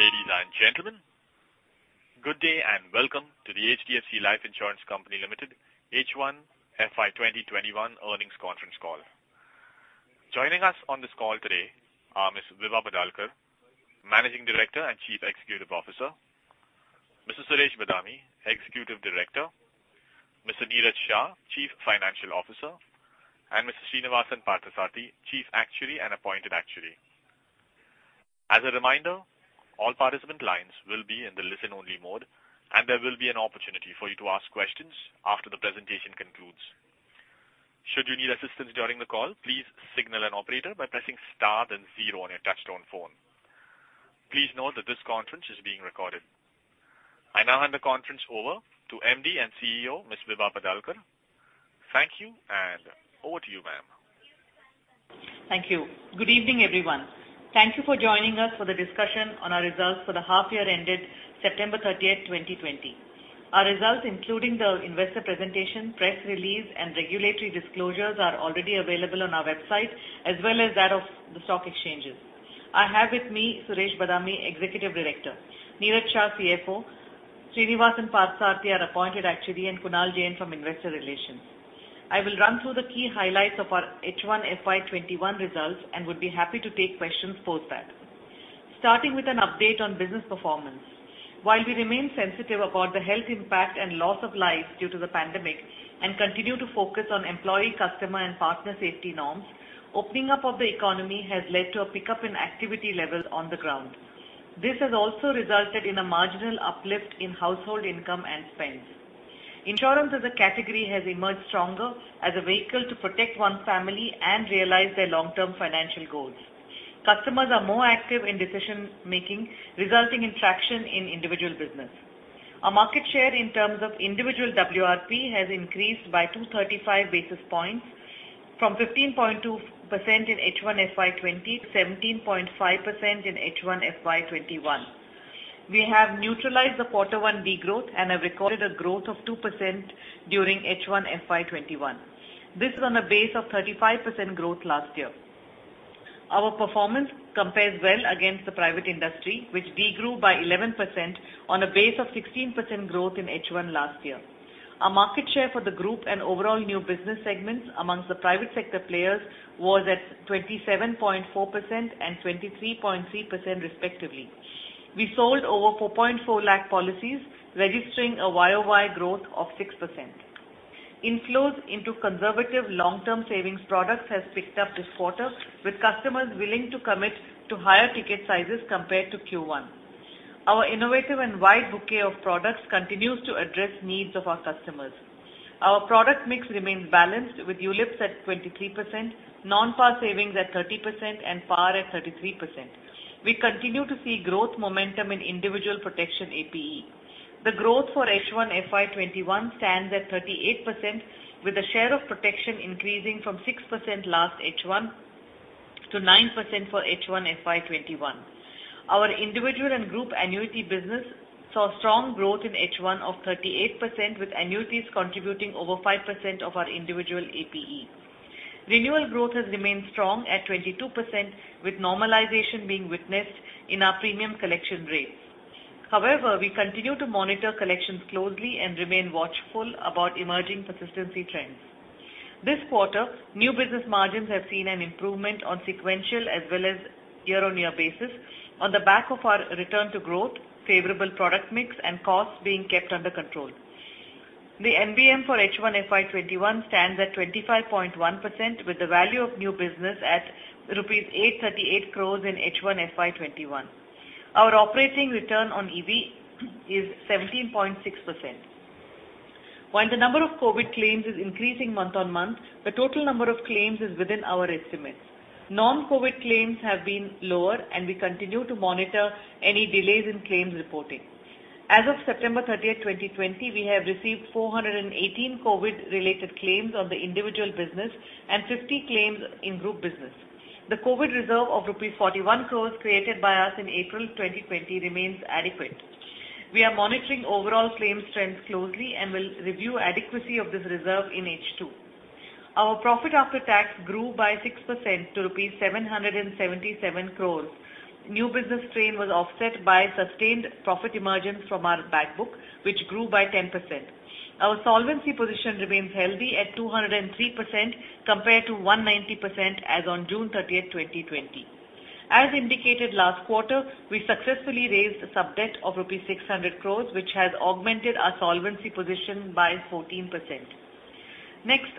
Ladies and gentlemen, good day and welcome to the HDFC Life Insurance Company Limited H1 FY 2021 earnings conference call. Joining us on this call today are Ms. Vibha Padalkar, Managing Director and Chief Executive Officer. Mr. Suresh Badami, Executive Director. Mr. Niraj Shah, Chief Financial Officer, and Mr. Srinivasan Parthasarathy, Chief Actuary and Appointed Actuary. As a reminder, all participant lines will be in the listen only mode and there will be an opportunity for you to ask questions after the presentation concludes. Should you need assistance during the call, please signal an operator by pressing star then zero on your touchtone phone. Please note that this conference is being recorded. I now hand the conference over to MD and CEO, Ms. Vibha Padalkar. Thank you, and over to you, ma'am. Thank you. Good evening, everyone. Thank you for joining us for the discussion on our results for the half year ended September 30th, 2020. Our results, including the investor presentation, press release, and regulatory disclosures are already available on our website as well as that of the stock exchanges. I have with me Suresh Badami, Executive Director. Niraj Shah, CFO. Srinivasan Parthasarathy, our Appointed Actuary, and Kunal Jain from Investor Relations. I will run through the key highlights of our H1 FY 2021 results and would be happy to take questions post that. Starting with an update on business performance. While we remain sensitive about the health impact and loss of life due to the pandemic and continue to focus on employee, customer and partner safety norms, opening up of the economy has led to a pickup in activity levels on the ground. This has also resulted in a marginal uplift in household income and spends. Insurance as a category has emerged stronger as a vehicle to protect one's family and realize their long-term financial goals. Customers are more active in decision-making, resulting in traction in individual business. Our market share in terms of individual WRP has increased by 235 basis points from 15.2% in H1 FY 2020 to 17.5% in H1 FY 2021. We have neutralized the quarter one degrowth and have recorded a growth of two percent during H1 FY 2021. This is on a base of 35% growth last year. Our performance compares well against the private industry, which degrew by 11% on a base of 16% growth in H1 last year. Our market share for the group and overall new business segments amongst the private sector players was at 27.4% and 23.3% respectively. We sold over 4.4 lakh policies, registering a YoY growth of six percent. Inflows into conservative long-term savings products has picked up this quarter, with customers willing to commit to higher ticket sizes compared to Q1. Our innovative and wide bouquet of products continues to address needs of our customers. Our product mix remains balanced with ULIPs at 23%, non-par savings at 30%, and par at 33%. We continue to see growth momentum in individual protection APE. The growth for H1 FY 2021 stands at 38%, with the share of protection increasing from six percent last H1 to 9% for H1 FY 2021. Our individual and group annuity business saw strong growth in H1 of 38%, with annuities contributing over five percent of our individual APE. Renewal growth has remained strong at 22%, with normalization being witnessed in our premium collection rates. However, we continue to monitor collections closely and remain watchful about emerging persistency trends. This quarter, new business margins have seen an improvement on sequential as well as year-on-year basis on the back of our return to growth, favorable product mix, and costs being kept under control. The NBM for H1 FY 2021 stands at 25.1%, with the value of new business at rupees 838 crore in H1 FY 2021. Our operating return on EV is 17.6%. While the number of COVID claims is increasing month-on-month, the total number of claims is within our estimates. Non-COVID claims have been lower, and we continue to monitor any delays in claims reporting. As of September 30th, 2020, we have received 418 COVID related claims on the individual business and 50 claims in group business. The COVID reserve of 41 crore rupees created by us in April 2020 remains adequate. We are monitoring overall claims trends closely and will review adequacy of this reserve in H2. Our profit after tax grew by six percent to rupees 777 crores. New business strain was offset by sustained profit emergence from our back book, which grew by 10%. Our solvency position remains healthy at 203% compared to 190% as on June 30th, 2020. As indicated last quarter, we successfully raised a sub-debt of 600 crores rupees, which has augmented our solvency position by 14%.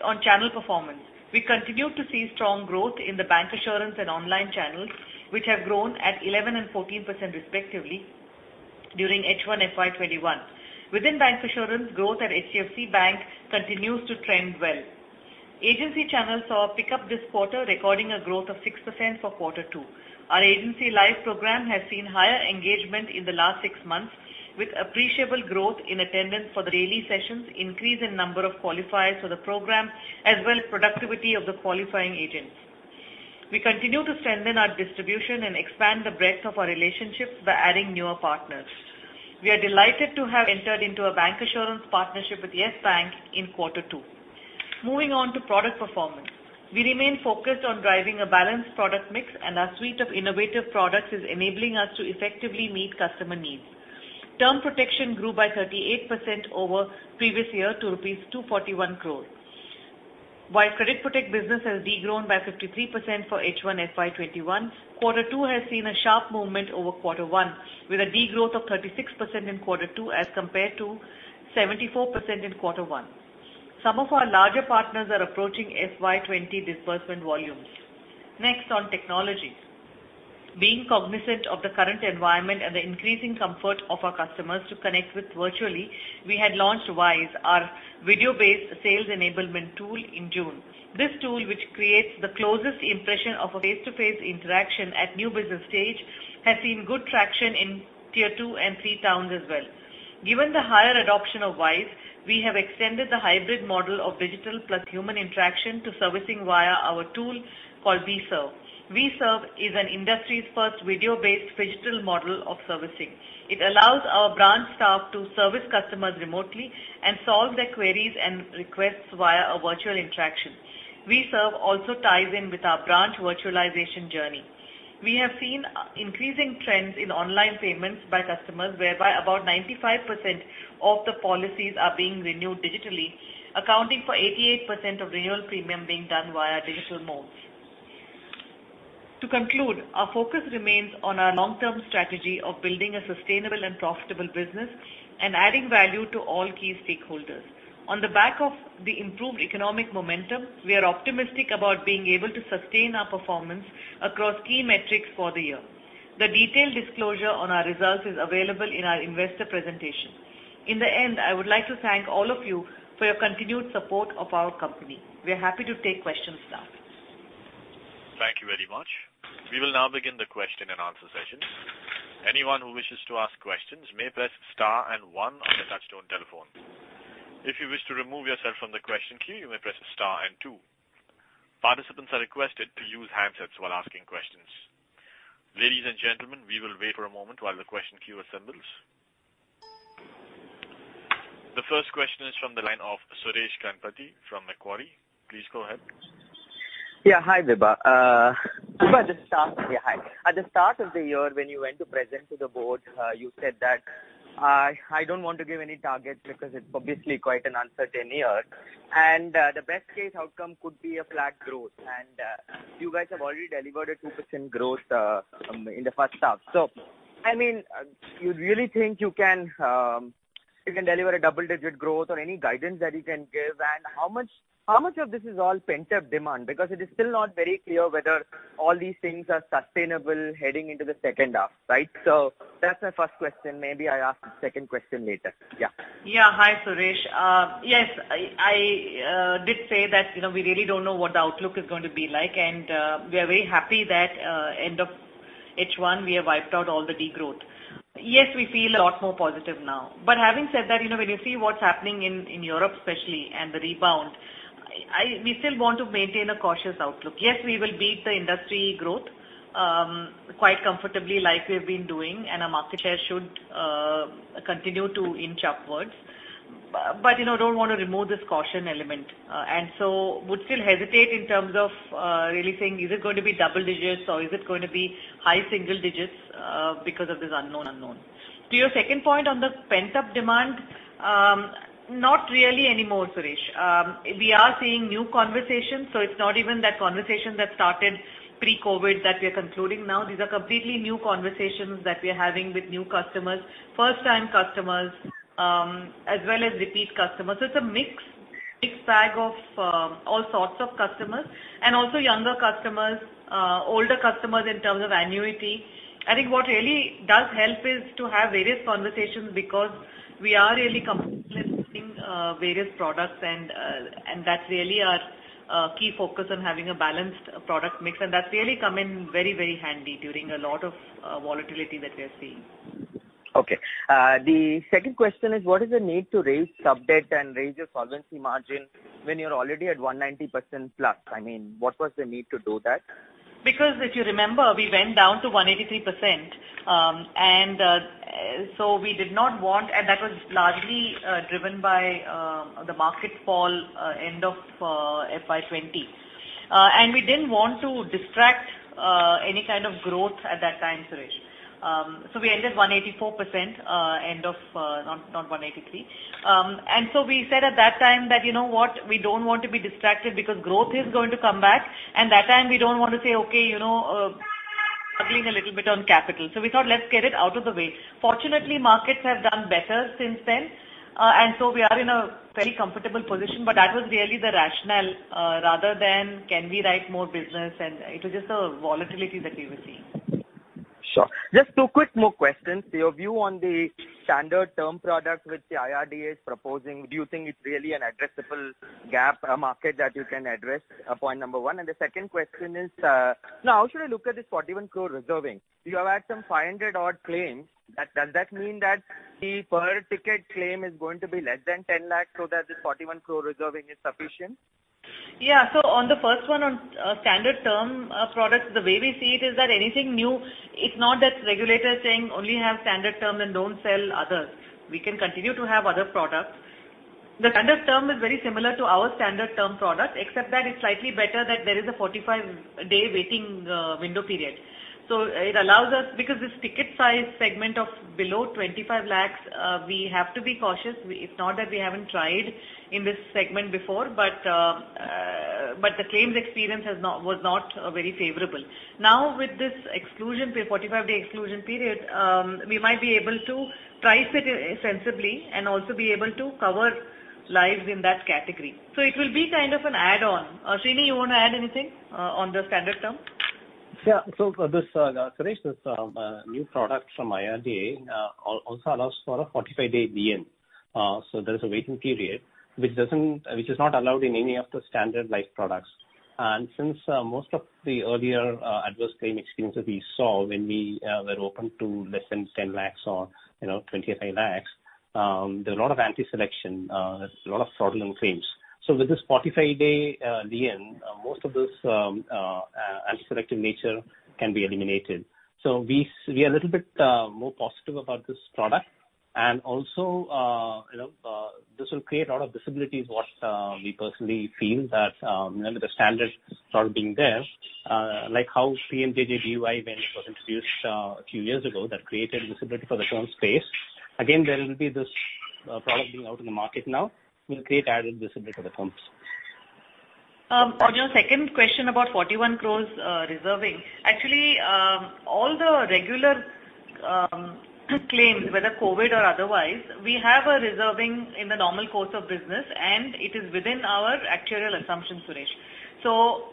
On channel performance. We continue to see strong growth in the bancassurance and online channels, which have grown at 11% and 14% respectively during H1 FY 2021. Within bancassurance, growth at HDFC Bank continues to trend well. Agency channels saw a pickup this quarter, recording a growth of six percent for Q2. Our Agency Life program has seen higher engagement in the last six months, with appreciable growth in attendance for the daily sessions, increase in number of qualifiers for the program, as well as productivity of the qualifying agents. We continue to strengthen our distribution and expand the breadth of our relationships by adding newer partners. We are delighted to have entered into a bancassurance partnership with YES Bank in Q2. Moving on to product performance. We remain focused on driving a balanced product mix, and our suite of innovative products is enabling us to effectively meet customer needs. Term protection grew by 38% over previous year to rupees 241 crore. While credit protect business has de-grown by 53% for H1 FY 2021, Q2 has seen a sharp movement over Q1, with a de-growth of 36% in Q2 as compared to 74% in Q1. Some of our larger partners are approaching FY 2020 disbursement volumes. Next, on technology. Being cognizant of the current environment and the increasing comfort of our customers to connect with virtually, we had launched WISE, our video-based sales enablement tool in June. This tool, which creates the closest impression of a face-to-face interaction at new business stage, has seen good traction in tier 2 and three towns as well. Given the higher adoption of WISE, we have extended the hybrid model of digital plus human interaction to servicing via our tool called VServe. VServe is an industry's first video-based phygital model of servicing. It allows our branch staff to service customers remotely and solve their queries and requests via a virtual interaction. VServe also ties in with our branch virtualization journey. We have seen increasing trends in online payments by customers, whereby about 95% of the policies are being renewed digitally, accounting for 88% of renewal premium being done via digital modes. To conclude, our focus remains on our long-term strategy of building a sustainable and profitable business and adding value to all key stakeholders. On the back of the improved economic momentum, we are optimistic about being able to sustain our performance across key metrics for the year. The detailed disclosure on our results is available in our investor presentation. In the end, I would like to thank all of you for your continued support of our company. We are happy to take questions now. Thank you very much. We will now begin the question and answer session. The first question is from the line of Suresh Ganapathy from Macquarie. Please go ahead. Yeah. Hi, Vibha. At the start of the year, when you went to present to the board, you said that, "I don't want to give any targets because it's obviously quite an uncertain year, and the best case outcome could be a flat growth." You guys have already delivered a two percent growth in the first half. You really think you can deliver a double-digit growth or any guidance that you can give? How much of this is all pent-up demand? Because it is still not very clear whether all these things are sustainable heading into the second half. Right. That's my first question. Maybe I'll ask the second question later. Yeah. Yeah. Hi, Suresh. Yes, I did say that we really don't know what the outlook is going to be like, and we are very happy that end of H1, we have wiped out all the de-growth. Yes, we feel a lot more positive now. Having said that, when you see what's happening in Europe especially, and the rebound, we still want to maintain a cautious outlook. Yes, we will beat the industry growth quite comfortably like we've been doing, and our market share should continue to inch upwards. I don't want to remove this caution element, and so would still hesitate in terms of really saying, is it going to be double digits, or is it going to be high single digits because of this unknown unknown. To your second point on the pent-up demand, not really anymore, Suresh. We are seeing new conversations, so it's not even that conversation that started pre-COVID that we are concluding now. These are completely new conversations that we are having with new customers, first-time customers, as well as repeat customers. It's a mixed bag of all sorts of customers and also younger customers, older customers in terms of annuity. I think what really does help is to have various conversations because we are really complimenting various products, and that's really our key focus on having a balanced product mix. That's really come in very handy during a lot of volatility that we are seeing. The second question is, what is the need to raise sub-debt and raise your solvency margin when you're already at 190%+? What was the need to do that? Because if you remember, we went down to 183%. That was largely driven by the market fall end of FY 2020. We didn't want to distract any kind of growth at that time, Suresh. We ended 184%, not 183. We said at that time that we don't want to be distracted because growth is going to come back, and that time we don't want to say, "Okay, we are struggling a little bit on capital." We thought, let's get it out of the way. Fortunately, markets have done better since then, and so we are in a very comfortable position. That was really the rationale rather than can we write more business? It was just a volatility that we were seeing. Sure. Just two quick more questions. Your view on the standard term product which the IRDAI is proposing, do you think it is really an addressable gap or market that you can address? Point number one. The second question is, how should I look at this 41 crore reserving? You have had some 500 odd claims. Does that mean that the per ticket claim is going to be less than 10 lakh so that this 41 crore reserving is sufficient? Yeah. On the first one, on standard term products, the way we see it is that anything new, it's not that regulator is saying only have standard term and don't sell others. We can continue to have other products. The standard term is very similar to our standard term product, except that it's slightly better that there is a 45-day waiting window period. This ticket size segment of below 25 lakhs, we have to be cautious. It's not that we haven't tried in this segment before, the claims experience was not very favorable. Now with this 45-day exclusion period, we might be able to price it sensibly and also be able to cover lives in that category. It will be kind of an add-on. Srini, you want to add anything on the standard term? Yeah. Suresh, this new product from IRDAI also allows for a 45-day BN. There is a waiting period which is not allowed in any of the standard life products. Since most of the earlier adverse claim experiences we saw when we were open to less than 10 lakhs or 25 lakhs, there are a lot of anti-selection, there's a lot of fraudulent claims. With this 45-day BN, most of this anti-selective nature can be eliminated. Also this will create a lot of visibility is what we personally feel, that now that the standard product being there, like how PMJJBY, when it was introduced a few years ago, that created visibility for the term space. There will be this product being out in the market now, will create added visibility for the firms. On your second question about 41 crores reserving. Actually, all the regular claims, whether COVID or otherwise, we have a reserving in the normal course of business, and it is within our actuarial assumptions, Suresh.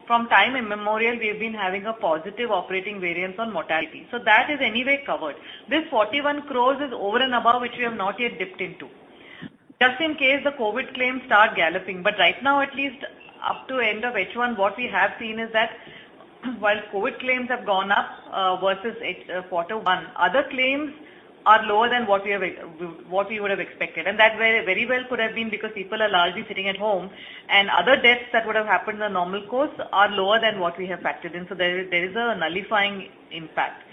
From time immemorial, we've been having a positive operating variance on mortality, so that is anyway covered. This 41 crores is over and above, which we have not yet dipped into, just in case the COVID claims start galloping. Right now, at least up to end of H1, what we have seen is that while COVID claims have gone up versus Q1, other claims are lower than what we would've expected. That very well could have been because people are largely sitting at home, and other deaths that would have happened in the normal course are lower than what we have factored in. There is a nullifying impact.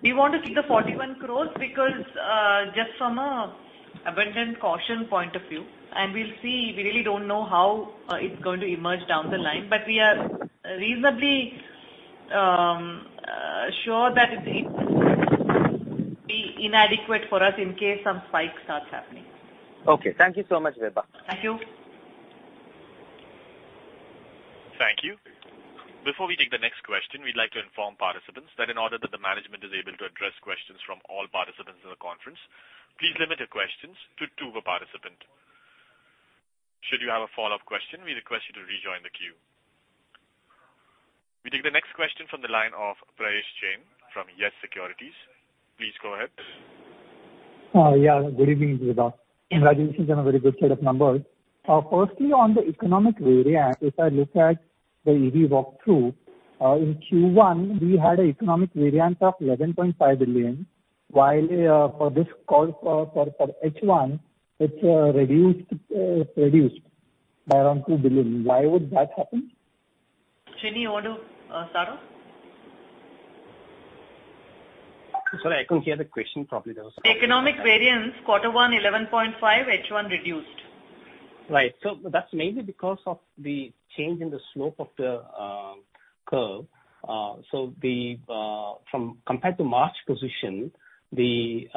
We want to keep the 41 crores because just from an abundant caution point of view, and we really don't know how it's going to emerge down the line, but we are reasonably sure that it's inadequate for us in case some spike starts happening. Okay. Thank you so much, Vibha. Thank you. Thank you. Before we take the next question, we'd like to inform participants that in order that the management is able to address questions from all participants in the conference, please limit your questions to two per participant. Should you have a follow-up question, we request you to rejoin the queue. We take the next question from the line of Prayesh Jain from YES Securities. Please go ahead. Yeah. Good evening, Vibha. Congratulations on a very good set of numbers. Firstly, on the economic variance, if I look at the EV walk through, in Q1 we had an economic variance of 11.5 billion. While for H1 it's reduced by around 2 billion. Why would that happen? Srini, you want to start off? Sorry, I couldn't hear the question properly. Economic variance, quarter one, 11.5%. H1 reduced. Right. That's mainly because of the change in the slope of the curve. Compared to March position, the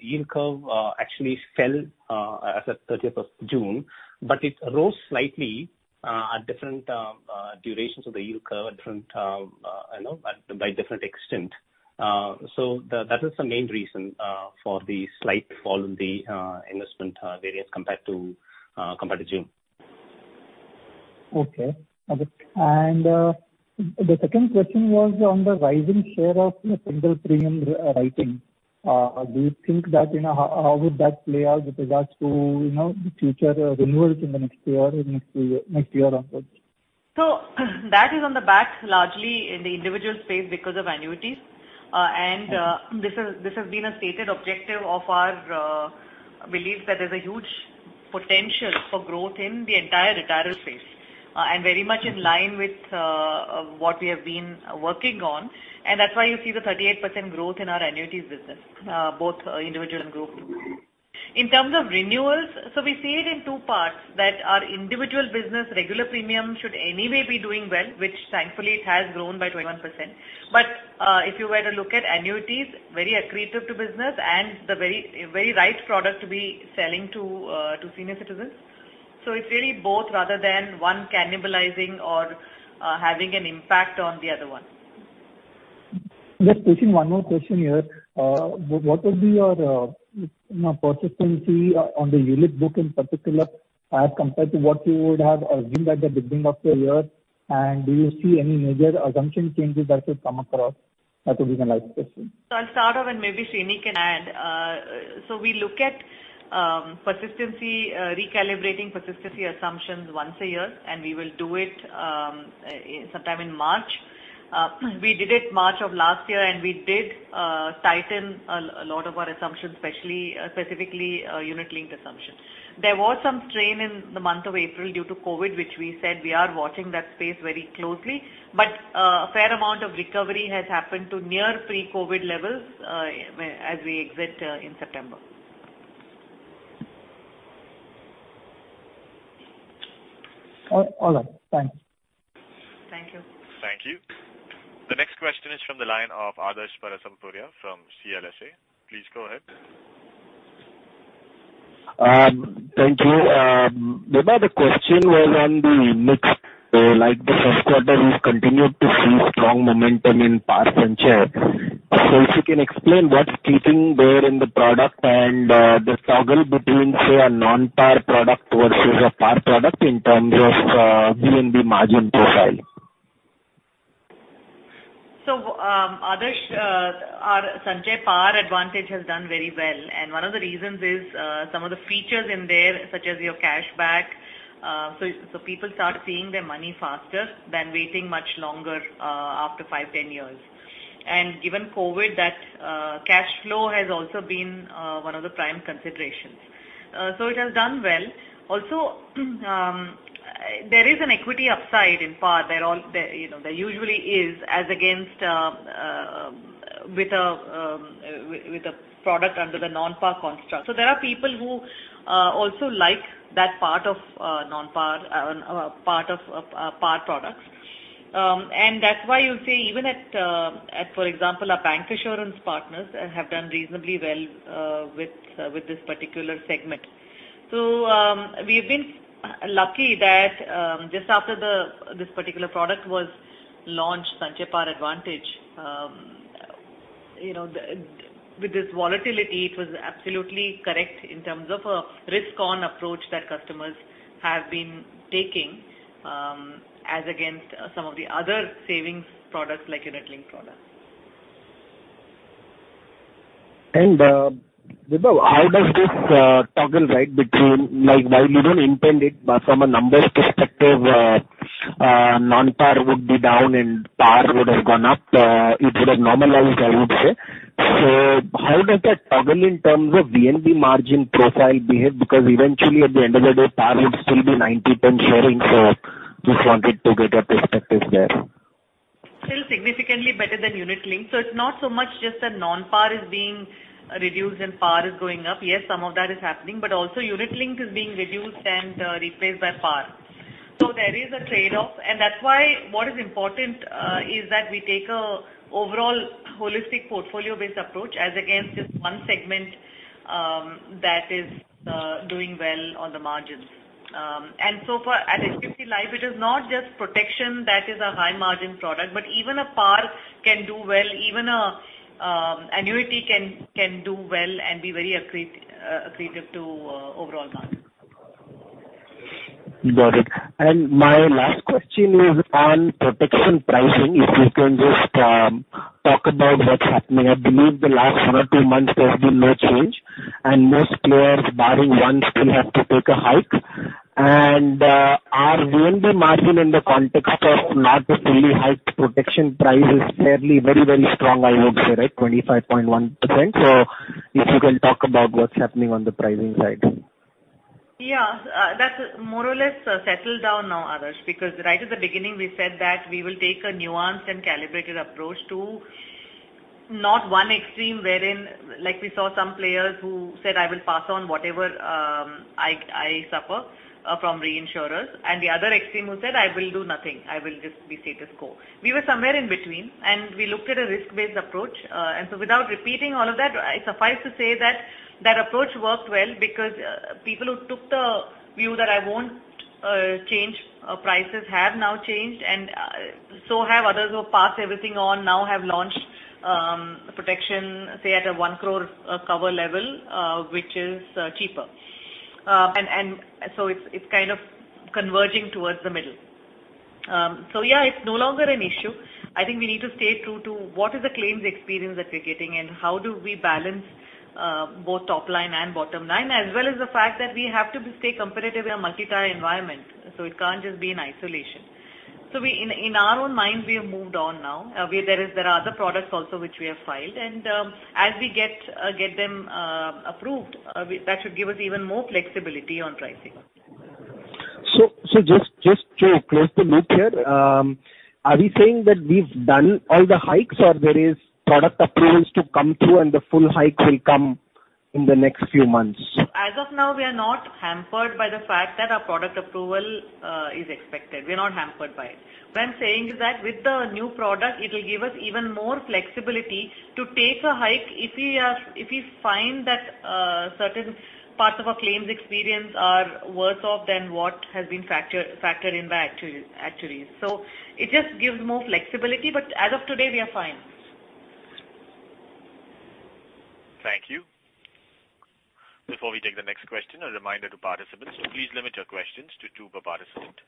yield curve actually fell as at June 30th, but it rose slightly at different durations of the yield curve by different extent. That is the main reason for the slight fall in the investment variance compared to June. Okay. The second question was on the rising share of single premium writing. How would that play out with regards to the future renewals in the next year onward? That is on the back largely in the individual space because of annuities. This has been a stated objective of our belief that there's a huge potential for growth in the entire retirement space and very much in line with what we have been working on. That's why you see the 38% growth in our annuities business, both individual and group. In terms of renewals, we see it in two parts, that our individual business regular premium should anyway be doing well, which thankfully it has grown by 21%. If you were to look at annuities, very accretive to business and the very right product to be selling to senior citizens. It's really both rather than one cannibalizing or having an impact on the other one. Just pushing one more question here. What would be your persistency on the ULIP book in particular as compared to what you would have assumed at the beginning of the year? Do you see any major assumption changes that you've come across? That would be my last question. I'll start off and maybe Srini can add. We look at recalibrating persistency assumptions once a year, and we will do it sometime in March. We did it March of last year and we did tighten a lot of our assumptions, specifically unit-linked assumptions. There was some strain in the month of April due to COVID, which we said we are watching that space very closely. A fair amount of recovery has happened to near pre-COVID levels as we exit in September. All right. Thanks. Thank you. Thank you. The next question is from the line of Adarsh Parasrampuria from CLSA. Please go ahead. Thank you. Vibha, the question was on the mix. Like the Q1, we've continued to see strong momentum in par Sanchay. If you can explain what's keeping there in the product and the toggle between, say, a non-par product versus a par product in terms of VNB margin profile. Adarsh, our Sanchay Par Advantage has done very well, and one of the reasons is some of the features in there, such as your cashback. People start seeing their money faster than waiting much longer after five, 10 years. Given COVID, that cash flow has also been one of the prime considerations. It has done well. There is an equity upside in Par. There usually is, as against with a product under the non-Par construct. There are people who also like that part of Par products. That's why you'll see even at, for example, our bancassurance partners have done reasonably well with this particular segment. We've been lucky that just after this particular product was launched, Sanchay Par Advantage, with this volatility, it was absolutely correct in terms of a risk-on approach that customers have been taking as against some of the other savings products like unit-linked products. Vibha, how does this toggle between while you don't intend it from a numbers perspective, non-Par would be down and Par would have gone up. It would have normalized, I would say. How does that toggle in terms of VNB margin profile behave? Eventually at the end of the day, Par would still be 90-10 sharing, just wanted to get your perspective there. Still significantly better than unit-linked. It's not so much just that non-Par is being reduced and Par is going up. Yes, some of that is happening, but also unit-linked is being reduced and replaced by Par. There is a trade-off, and that's why what is important is that we take an overall holistic portfolio-based approach as against just one segment that is doing well on the margins. At HDFC Life, it is not just protection that is a high-margin product, but even a Par can do well, even an annuity can do well and be very accretive to overall margin. Got it. My last question is on protection pricing, if you can just talk about what's happening. I believe the last one or two months there's been no change, and most players, barring one, still have to take a hike. Our VNB margin in the context of not the fully hiked protection price is fairly very, very strong, I would say, right? 25.1%. If you can talk about what's happening on the pricing side. Yeah. That's more or less settled down now, Adarsh, because right at the beginning we said that we will take a nuanced and calibrated approach to not one extreme wherein we saw some players who said, "I will pass on whatever I suffer from reinsurers," and the other extreme who said, "I will do nothing. I will just be status quo." We were somewhere in between, and we looked at a risk-based approach. Without repeating all of that, I suffice to say that that approach worked well because people who took the view that I won't change prices have now changed, and so have others who pass everything on now have launched protection, say, at a one crore cover level, which is cheaper. It's kind of converging towards the middle. Yeah, it's no longer an issue. I think we need to stay true to what is the claims experience that we're getting and how do we balance both top line and bottom line, as well as the fact that we have to stay competitive in a multi-tier environment, so it can't just be in isolation. In our own minds, we have moved on now, where there are other products also which we have filed. As we get them approved, that should give us even more flexibility on pricing. Just to close the loop here, are we saying that we've done all the hikes or there is product approvals to come through and the full hike will come in the next few months? As of now, we are not hampered by the fact that our product approval is expected. We're not hampered by it. What I'm saying is that with the new product, it will give us even more flexibility to take a hike if we find that certain parts of our claims experience are worse off than what has been factored in by actuaries. It just gives more flexibility, but as of today, we are fine. Thank you. Before we take the next question, a reminder to participants to please limit your questions to two per participant.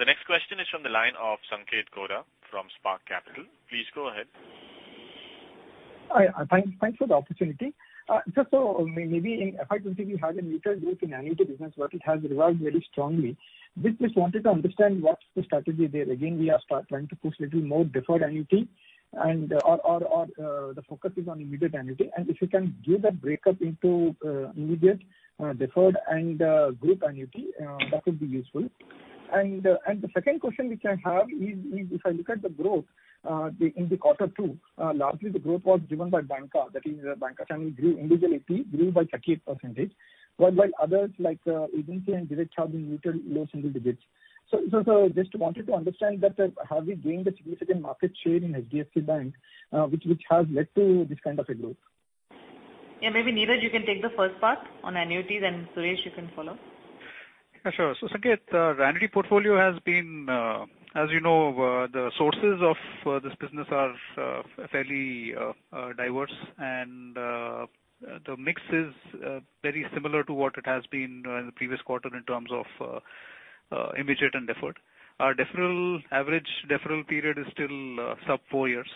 The next question is from the line of Sanketh Godha from Spark Capital. Please go ahead. Thanks for the opportunity. Maybe in FY 2020, we had a muted growth in annuity business, but it has revived very strongly. I just wanted to understand what's the strategy there. We are trying to push a little more deferred annuity or the focus is on immediate annuity. If you can give that breakup into immediate, deferred, and group annuity, that would be useful. The second question which I have is if I look at the growth in the Q2, largely the growth was driven by bancassurance. That is bancassurance grew individually, grew by 38%, while others like agency and direct have been muted low single digits. I just wanted to understand that have we gained a significant market share in HDFC Bank, which has led to this kind of a growth? Yeah. Maybe, Niraj, you can take the first part on annuities, and Suresh you can follow. Yeah, sure. Sanketh, the annuity portfolio has been, as you know, the sources of this business are fairly diverse and the mix is very similar to what it has been in the previous quarter in terms of immediate and deferred. Our average deferral period is still sub four years,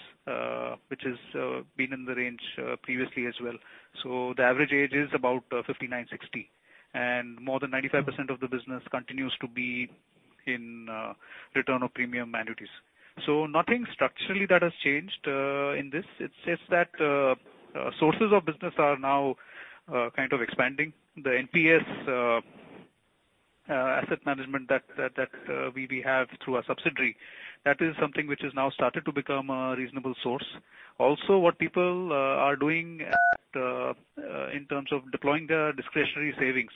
which has been in the range previously as well. The average age is about 59, 60, and more than 95% of the business continues to be in return of premium annuities. Nothing structurally that has changed in this. It's just that sources of business are now kind of expanding. The NPS asset management that we have through our subsidiary, that is something which has now started to become a reasonable source. What people are doing in terms of deploying their discretionary savings,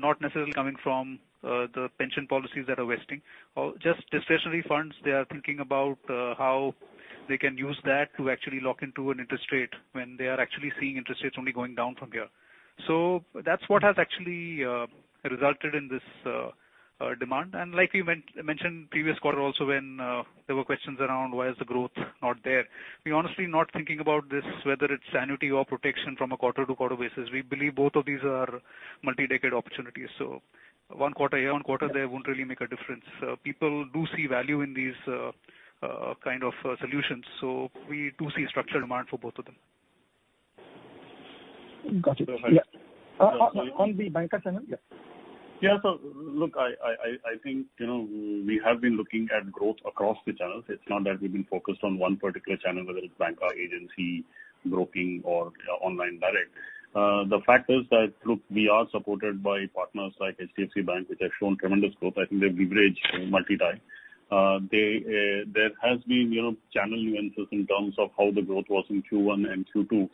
not necessarily coming from the pension policies that are vesting, or just discretionary funds, they are thinking about how they can use that to actually lock into an interest rate when they are actually seeing interest rates only going down from here. That's what has actually resulted in this demand. Like we mentioned previous quarter also when there were questions around why is the growth not there, we're honestly not thinking about this, whether it's annuity or protection from a quarter-to-quarter basis. We believe both of these are multi-decade opportunities. Q1 here, Q1 there won't really make a difference. People do see value in these kind of solutions, so we do see structured demand for both of them. Got it. On the bancassurance. Look, I think we have been looking at growth across the channels. It's not that we've been focused on one particular channel, whether it's banker, agency, broking, or online direct. The fact is that, look, we are supported by partners like HDFC Bank, which have shown tremendous growth. I think they've leveraged multi-tie. There has been channel nuances in terms of how the growth was in Q1 and Q2.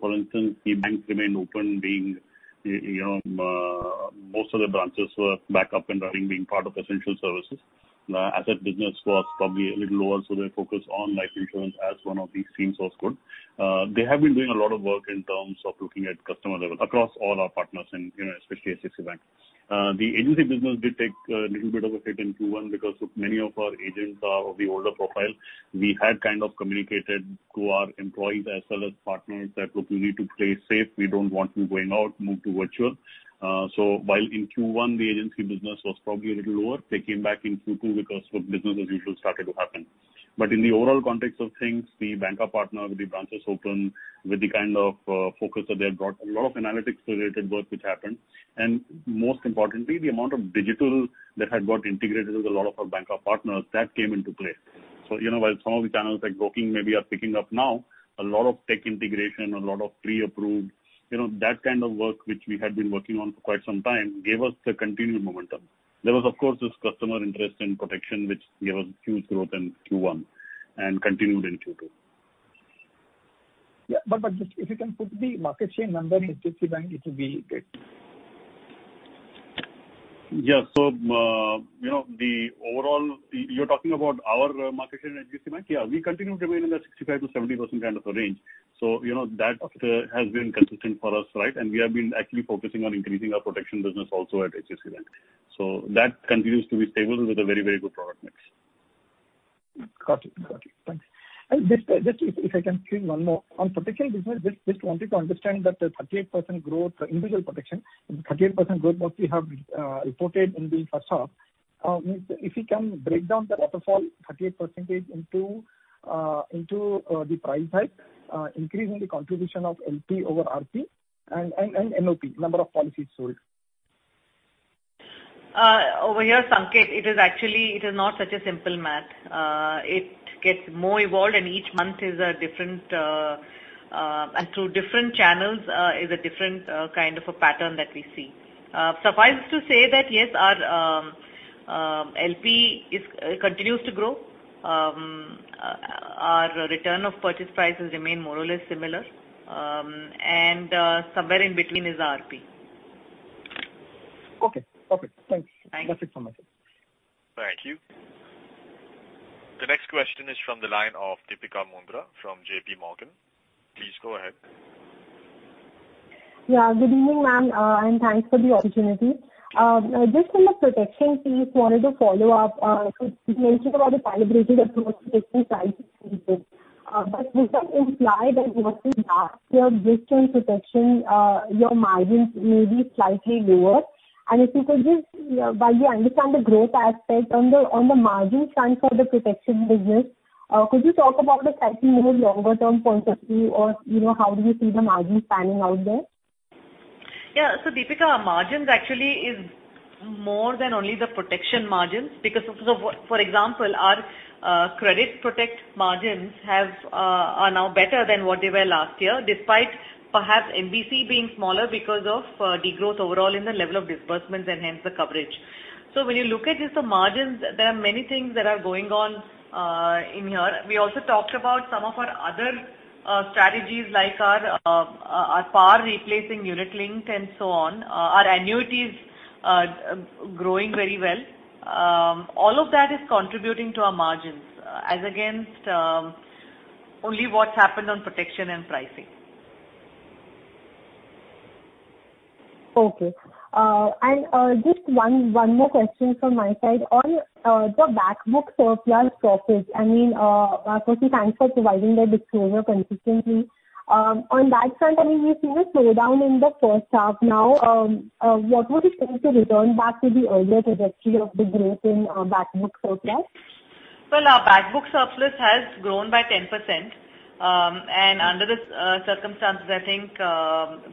For instance, the banks remain open, being most of the branches were back up and running, being part of essential services. The asset business was probably a little lower, their focus on life insurance as one of the streams was good. They have been doing a lot of work in terms of looking at customer level across all our partners and especially HDFC Bank. The agency business did take a little bit of a hit in Q1 because many of our agents are of the older profile. We had kind of communicated to our employees as well as partners that, look, you need to play safe. We don't want you going out, move to virtual. While in Q1 the agency business was probably a little lower, they came back in Q2 because business as usual started to happen. In the overall context of things, the banker partner with the branches open with the kind of focus that they had got, a lot of analytics-related work which happened, and most importantly, the amount of digital that had got integrated with a lot of our banker partners, that came into play. While some of the channels like broking maybe are picking up now, a lot of tech integration, a lot of pre-approved, that kind of work which we had been working on for quite some time gave us the continued momentum. There was, of course, this customer interest in protection, which gave us huge growth in Q1 and continued in Q2. Yeah. If you can put the market share number in HDFC Bank it will be good. Yeah. You're talking about our market share in HDFC Bank? Yeah. We continue to remain in the 65%-70% kind of a range. That has been consistent for us. Right? We have been actually focusing on increasing our protection business also at HDFC Bank. That continues to be stable with a very good product mix. Got it. Thanks. Just if I can pin one more. On protection business, just wanted to understand that the 38% growth, individual protection, the 38% growth what we have reported in the first half, if you can break down the waterfall, 38% into the price hike increase in the contribution of LP over RP and NOP, number of policies sold. Over here, Sanket, it is not such a simple math. It gets more evolved and each month is different, and through different channels is a different kind of a pattern that we see. Suffice to say that yes, our LP continues to grow. Our return of purchase prices remain more or less similar, and somewhere in between is RP. Okay. Thanks. Thank you. That's it from my side. Thank you. The next question is from the line of Deepika Mundra from JP Morgan. Please go ahead. Good evening, ma'am, and thanks for the opportunity. Just on the protection piece, wanted to follow up. You mentioned about the calibrated approach to take price increases. Does that imply that going fast your risk and protection, your margins may be slightly lower? If you could just, while you understand the growth aspect on the margin front for the protection business, could you talk about the slightly more longer-term point of view or how do you see the margins panning out there? Deepika, our margins actually is more than only the protection margins, because for example, our credit protect margins are now better than what they were last year, despite perhaps MBC being smaller because of degrowth overall in the level of disbursements and hence the coverage. When you look at just the margins, there are many things that are going on in here. We also talked about some of our other strategies like our par replacing unit link and so on. Our annuity is growing very well. All of that is contributing to our margins as against only what's happened on protection and pricing. Okay. Just one more question from my side on the back book surplus profits. Firstly, thanks for providing the disclosure consistently. On that front, we’ve seen a slowdown in the first half now. What would it take to return back to the earlier trajectory of the growth in back book surplus? Well, our back book surplus has grown by 10%. Under the circumstances,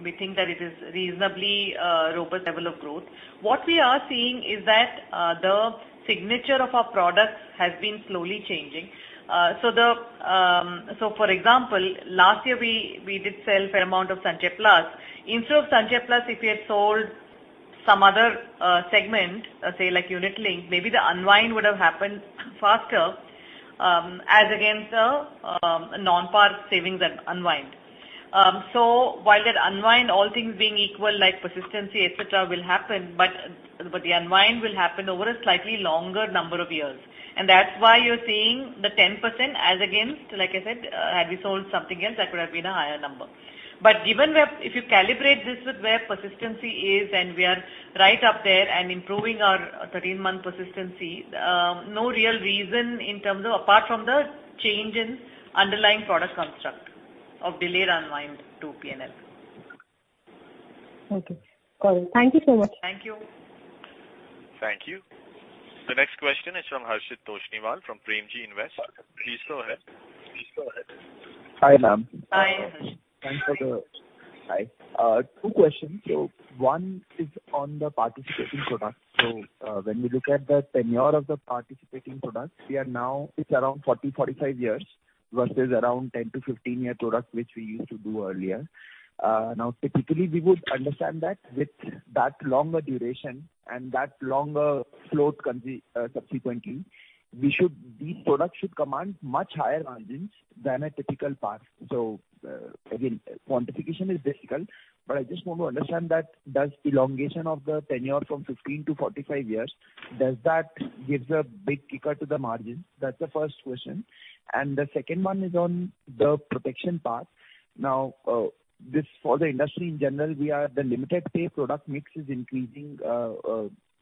we think that it is reasonably a robust level of growth. What we are seeing is that the signature of our products has been slowly changing. For example, last year we did sell a fair amount of Sanchay Plus. Instead of Sanchay Plus, if we had sold some other segment, say like unit link, maybe the unwind would have happened faster as against a non-par savings unwind. While that unwind, all things being equal, like persistency, et cetera, will happen, but the unwind will happen over a slightly longer number of years. That's why you're seeing the 10% as against, like I said, had we sold something else, that could have been a higher number. If you calibrate this with where persistency is, and we are right up there and improving our 13-month persistency, no real reason apart from the change in underlying product construct of delayed unwind to P&L. Okay. Got it. Thank you so much. Thank you. Thank you. The next question is from Harshit Toshniwal from Premji Invest. Please go ahead. Hi, ma'am. Hi. Hi. Two questions. One is on the participating product. When we look at the tenure of the participating product, it's around 40, 45 years versus around 10 - 15-year product, which we used to do earlier. Typically, we would understand that with that longer duration and that longer float subsequently, these products should command much higher margins than a typical par. Again, quantification is difficult, but I just want to understand that does elongation of the tenure from 15 - 45 years, does that give a big kicker to the margins? That's the first question. The second one is on the protection part. For the industry in general, we are the limited pay product mix is increasing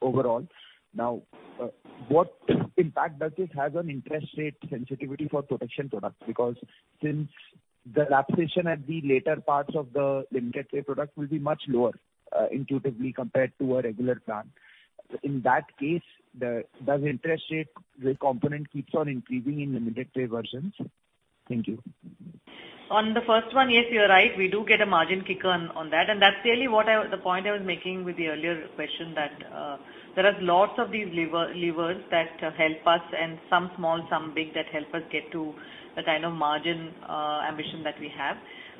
overall. What impact does this have on interest rate sensitivity for protection products? Since the lapsation at the later parts of the limited pay product will be much lower intuitively compared to a regular plan. In that case, does the interest rate component keep on increasing in limited pay versions? Thank you. On the first one, yes, you're right. We do get a margin kicker on that, and that's really the point I was making with the earlier question that there are lots of these levers that help us and some small, some big, that help us get to the kind of margin ambition that we have.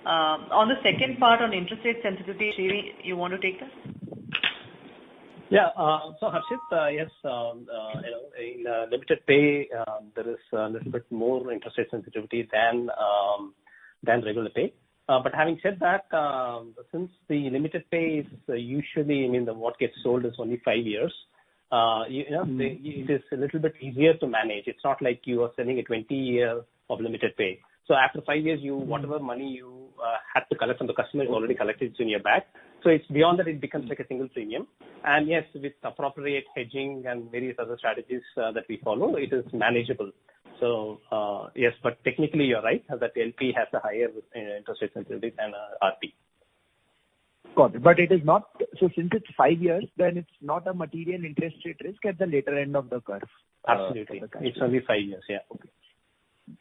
On the second part on interest rate sensitivity, Srini, you want to take that? Harshit, yes, in limited pay, there is a little bit more interest rate sensitivity than regular pay. Having said that, since the limited pay is usually what gets sold is only five years it is a little bit easier to manage. It's not like you are selling a 20 year of limited pay. After five years, whatever money you have to collect from the customer is already collected, it's in your bag. It's beyond that, it becomes like a single premium. Yes, with appropriate hedging and various other strategies that we follow, it is manageable. Yes, but technically you're right, that LP has a higher interest rate sensitivity than RP. Got it. Since it's five years, it's not a material interest rate risk at the later end of the curve. Absolutely. It's only five years. Yeah. Okay.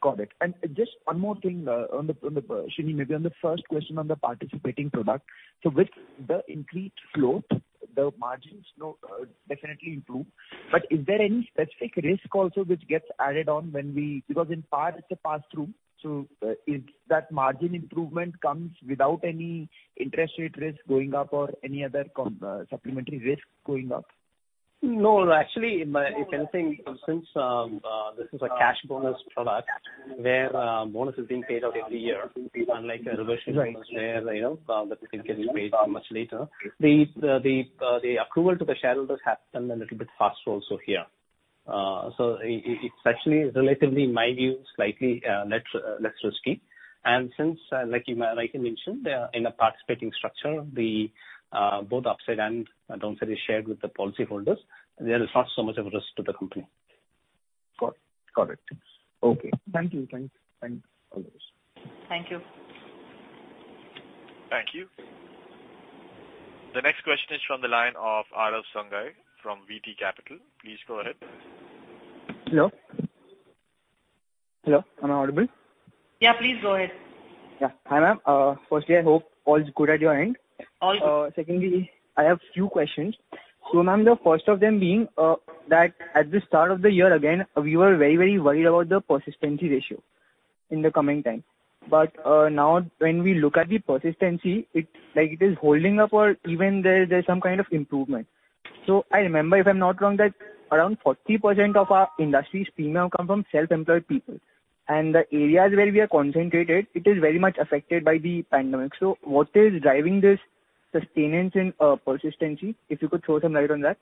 Got it. Just one more thing, Srini, maybe on the first question on the participating product. With the increased float, the margins definitely improve. Is there any specific risk also which gets added on when we because in part it's a pass-through, is that margin improvement comes without any interest rate risk going up or any other supplementary risk going up? No, actually, if anything, since this is a cash bonus product where bonus is being paid out every year, unlike a reversion- Right where the benefit can be paid much later. The approval to the shareholders has to come a little bit faster also here. It's actually relatively, in my view, slightly less risky. Since, like you mentioned, in a participating structure, both the upside and downside is shared with the policyholders, there is not so much of a risk to the company. Got it. Okay. Thank you. Thank you. Thank you. The next question is from the line of Aarav Sanghai from VT Capital. Please go ahead. Hello Hello, am I audible? Yeah, please go ahead. Yeah. Hi, ma'am. Firstly, I hope all is good at your end. All good. Secondly, I have few questions. Ma'am, the first of them being that at the start of the year again, we were very worried about the persistency ratio in the coming time. Now when we look at the persistency, it is holding up or even there's some kind of improvement. I remember, if I'm not wrong, that around 40% of our industry's premium come from self-employed people. The areas where we are concentrated, it is very much affected by the pandemic. What is driving this sustenance in persistency, if you could throw some light on that?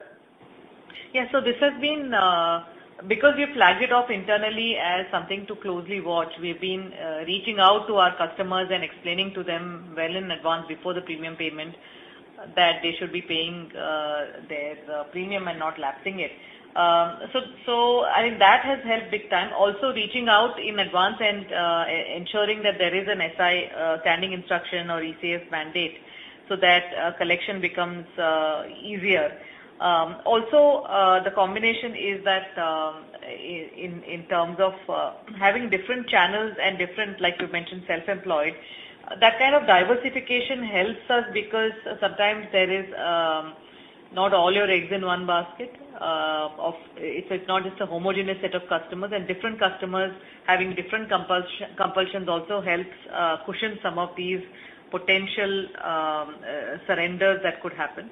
Because we've flagged it off internally as something to closely watch, we've been reaching out to our customers and explaining to them well in advance before the premium payment that they should be paying their premium and not lapsing it. I think that has helped big time. Reaching out in advance and ensuring that there is an SI standing instruction or ECS mandate so that collection becomes easier. The combination is that in terms of having different channels and different, like you mentioned, self-employed, that kind of diversification helps us because sometimes there is not all your eggs in one basket. It's not just a homogenous set of customers, and different customers having different compulsions also helps cushion some of these potential surrenders that could happen.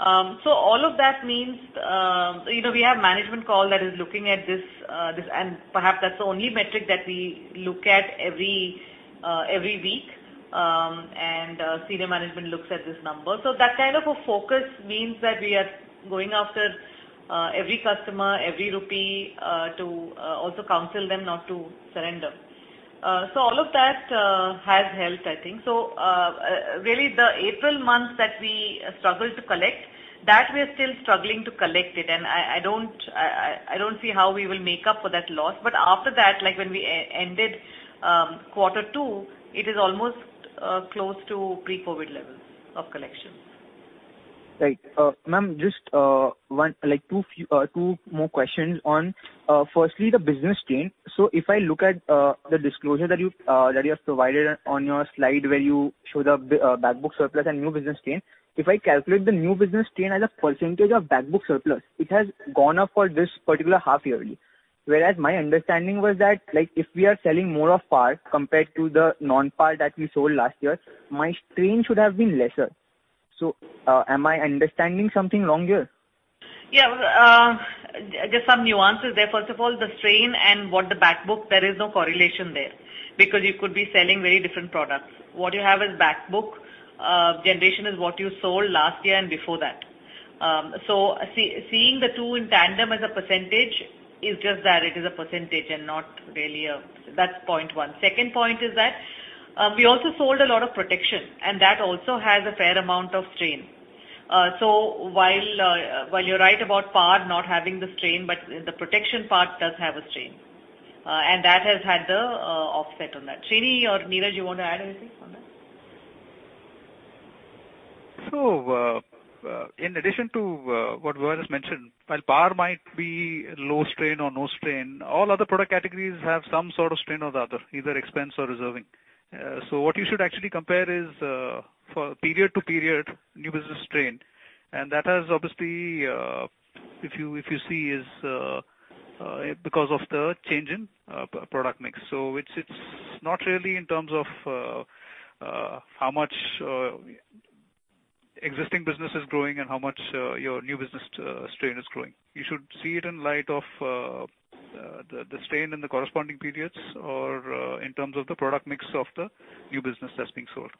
All of that means we have management call that is looking at this, and perhaps that's the only metric that we look at every week, and senior management looks at this number. That kind of a focus means that we are going after every customer, every rupee, to also counsel them not to surrender. All of that has helped, I think. Really the April month that we struggled to collect, that we are still struggling to collect it, and I don't see how we will make up for that loss. After that, when we ended Q2, it is almost close to pre-COVID levels of collections. Right. Ma'am, just two more questions on, firstly, the business strain. If I look at the disclosure that you have provided on your slide where you showed the back book surplus and new business strain, if I calculate the new business strain as a percentage of back book surplus, it has gone up for this particular half yearly. Whereas my understanding was that if we are selling more of PAR compared to the non-PAR that we sold last year, my strain should have been lesser. Am I understanding something wrong here? Yeah. Just some nuances there. First of all, the strain and what the back book, there is no correlation there because you could be selling very different products. What you have as back book generation is what you sold last year and before that. Seeing the two in tandem as a percentage is just that, it is a percentage. That's point one. Second point is that we also sold a lot of protection, and that also has a fair amount of strain. While you're right about PAR not having the strain, but the protection part does have a strain. That has had the offset on that. Srini or Niraj, you want to add anything on that? In addition to what Varsha has mentioned, while PAR might be low strain or no strain, all other product categories have some sort of strain or the other, either expense or reserving. What you should actually compare is for period to period new business strain, and that has obviously, if you see, is because of the change in product mix. It's not really in terms of how much existing business is growing and how much your new business strain is growing. You should see it in light of the strain in the corresponding periods or in terms of the product mix of the new business that's being sold.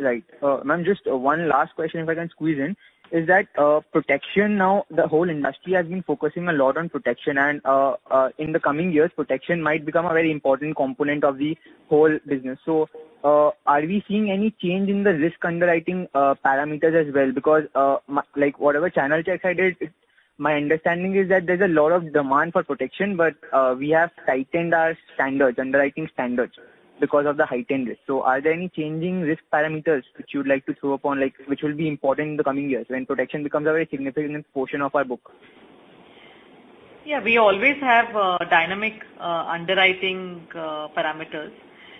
Right. Ma'am, just one last question, if I can squeeze in. Is that protection now, the whole industry has been focusing a lot on protection and in the coming years, protection might become a very important component of the whole business. Are we seeing any change in the risk underwriting parameters as well? Because whatever channel checks I did, my understanding is that there's a lot of demand for protection, but we have tightened our standards, underwriting standards because of the heightened risk. Are there any changing risk parameters which you'd like to throw upon, which will be important in the coming years when protection becomes a very significant portion of our book? We always have dynamic underwriting parameters,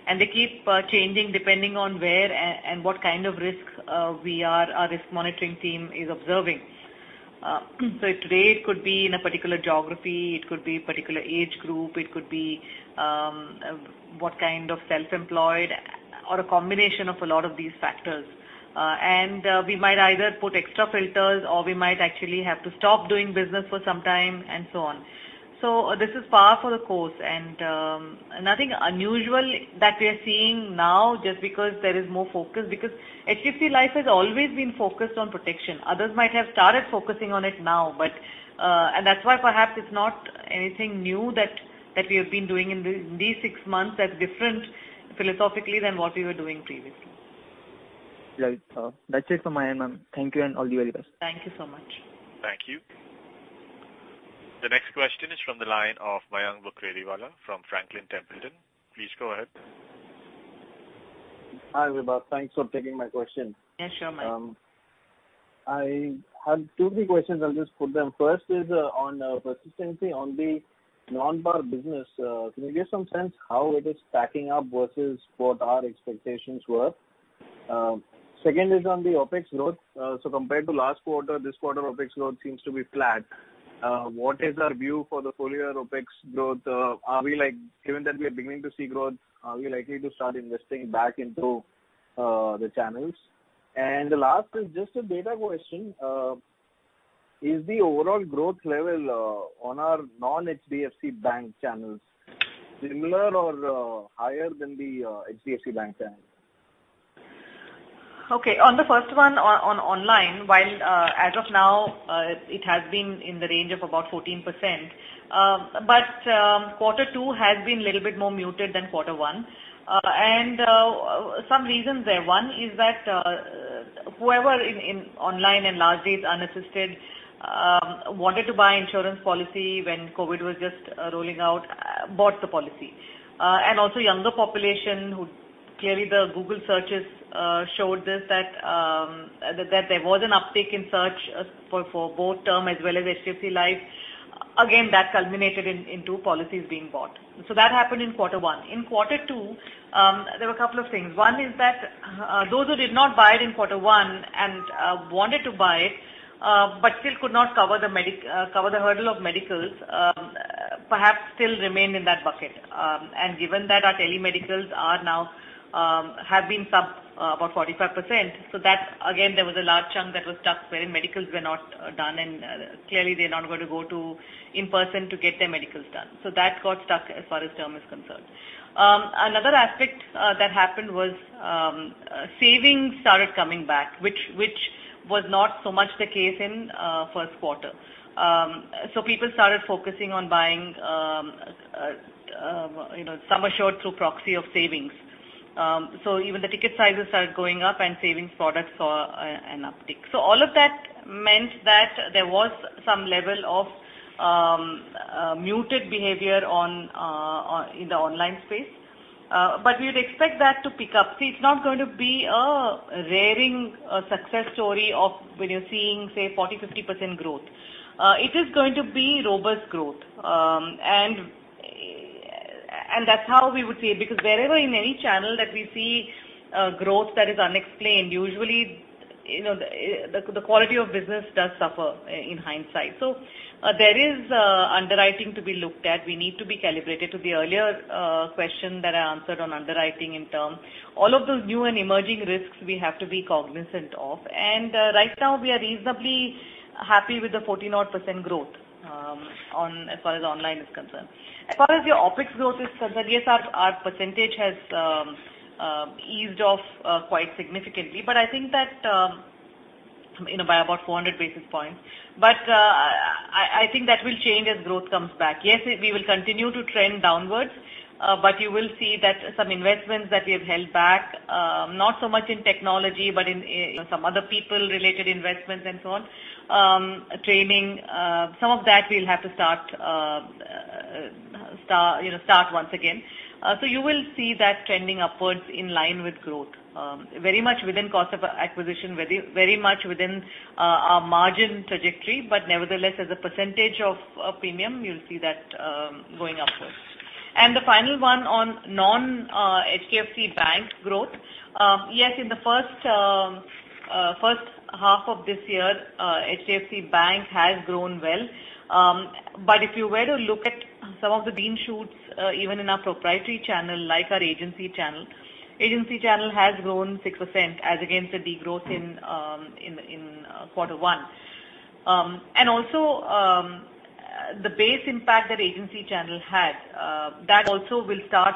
and they keep changing depending on where and what kind of risk our risk monitoring team is observing. Today it could be in a particular geography, it could be particular age group, it could be what kind of self-employed or a combination of a lot of these factors. We might either put extra filters or we might actually have to stop doing business for some time, and so on. This is par for the course, and nothing unusual that we are seeing now just because there is more focus because HDFC Life has always been focused on protection. Others might have started focusing on it now, and that's why perhaps it's not anything new that we have been doing in these six months that's different philosophically than what we were doing previously. Right. That's it from my end, ma'am. Thank you, and all the very best. Thank you so much. Thank you. The next question is from the line of Mayank Bukrediwala from Franklin Templeton. Please go ahead. Hi, Vibha. Thanks for taking my question. Yeah, sure, Mike. I have two, three questions. I'll just put them. First is on persistency on the non-par business. Can you give some sense how it is stacking up versus what our expectations were? Second is on the OPEX growth. Compared to last quarter, this quarter OPEX growth seems to be flat. What is our view for the full-year OPEX growth? Given that we are beginning to see growth, are we likely to start investing back into the channels? The last is just a data question. Is the overall growth level on our non-HDFC Bank channels similar or higher than the HDFC Bank channels? Okay. On the first one on online, while as of now it has been in the range of about 14%, Q2 has been a little bit more muted than Q1. Some reasons there. One is that whoever in online and largely it's unassisted wanted to buy insurance policy when COVID was just rolling out, bought the policy. Also younger population who, clearly the Google searches showed this, that there was an uptick in search for both term as well as HDFC Life. Again, that culminated into policies being bought. That happened in Q1. In Q2, there were a couple of things. One is that those who did not buy it in quarter one and wanted to buy it, but still could not cover the hurdle of medicals, perhaps still remain in that bucket. Given that our telemedicals now have been subbed about 45%, that, again, there was a large chunk that was stuck wherein medicals were not done, and clearly they're not going to go in person to get their medicals done. That got stuck as far as term is concerned. Another aspect that happened was savings started coming back, which was not so much the case in Q1. People started focusing on buying term short through proxy of savings. Even the ticket sizes started going up and savings products saw an uptick. All of that meant that there was some level of muted behavior in the online space. We would expect that to pick up. It's not going to be a rearing success story of when you're seeing, say, 40%, 50% growth. It is going to be robust growth. That's how we would see it, because wherever in any channel that we see growth that is unexplained, usually the quality of business does suffer in hindsight. There is underwriting to be looked at. We need to be calibrated. To the earlier question that I answered on underwriting in term, all of those new and emerging risks we have to be cognizant of. Right now we are reasonably happy with the 40-odd% growth as far as online is concerned. As far as your OPEX growth is concerned, yes, our percentage has eased off quite significantly by about 400 basis points. I think that will change as growth comes back. We will continue to trend downwards. You will see that some investments that we have held back, not so much in technology, but in some other people-related investments and so on, training, some of that we'll have to start once again. You will see that trending upwards in line with growth. Very much within cost of acquisition, very much within our margin trajectory. Nevertheless, as a percentage of premium, you'll see that going upwards. The final one on non-HDFC Bank growth. In the first half of this year, HDFC Bank has grown well. If you were to look at some of the green shoots even in our proprietary channel like our agency channel, agency channel has grown six percent as against a degrowth in quarter one. Also the base impact that agency channel had, that also will start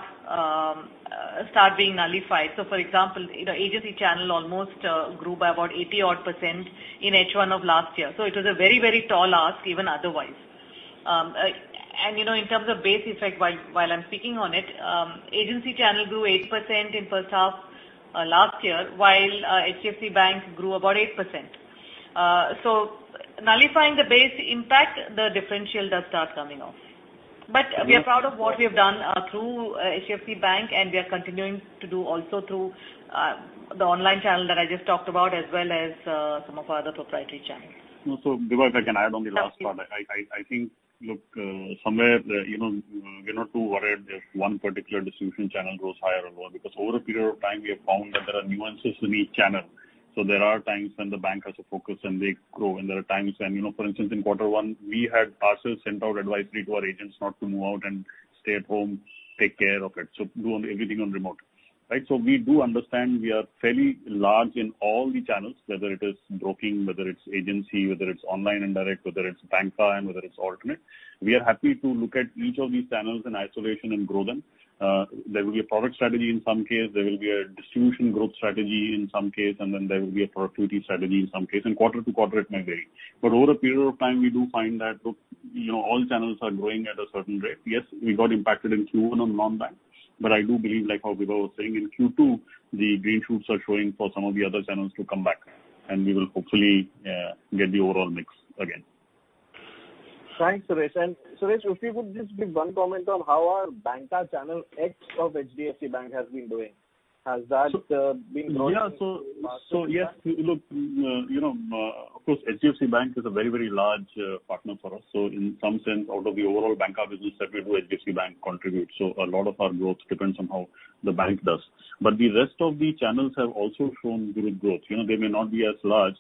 being nullified. For example, agency channel almost grew by about 80-odd% in H1 of last year. It was a very tall ask even otherwise. In terms of base effect, while I'm speaking on it, agency channel grew eight percent in first half last year while HDFC Bank grew about eight percent. Nullifying the base impact, the differential does start coming off. We are proud of what we have done through HDFC Bank and we are continuing to do also through the online channel that I just talked about, as well as some of our other proprietary channels. Vibha, if I can add on the last part. Yeah. I think, look, somewhere we are not too worried if one particular distribution channel grows higher or lower, because over a period of time, we have found that there are nuances in each channel. There are times when the bank has a focus and they grow, and there are times when, for instance, in Q1, we had ourselves sent out advisory to our agents not to move out and stay at home, take care of it. Do everything on remote. Right? We do understand we are fairly large in all the channels, whether it is broking, whether it is agency, whether it is online and direct, whether it is bank side, whether it is alternate. We are happy to look at each of these channels in isolation and grow them. There will be a product strategy in some case, there will be a distribution growth strategy in some case, and then there will be a productivity strategy in some case. Quarter to quarter it may vary. Over a period of time, we do find that, look, all channels are growing at a certain rate. Yes, we got impacted in Q1 on non-bank. I do believe like how Vibha was saying, in Q2, the green shoots are showing for some of the other channels to come back and we will hopefully get the overall mix again. Thanks, Suresh. Suresh, if you would just give one comment on how our bancassurance channel X of HDFC Bank has been doing. Has that been growing? Yes, look, of course, HDFC Bank is a very large partner for us. In some sense, out of the overall bancassurance business that we do, HDFC Bank contributes. A lot of our growth depends on how the bank does. The rest of the channels have also shown good growth. They may not be as large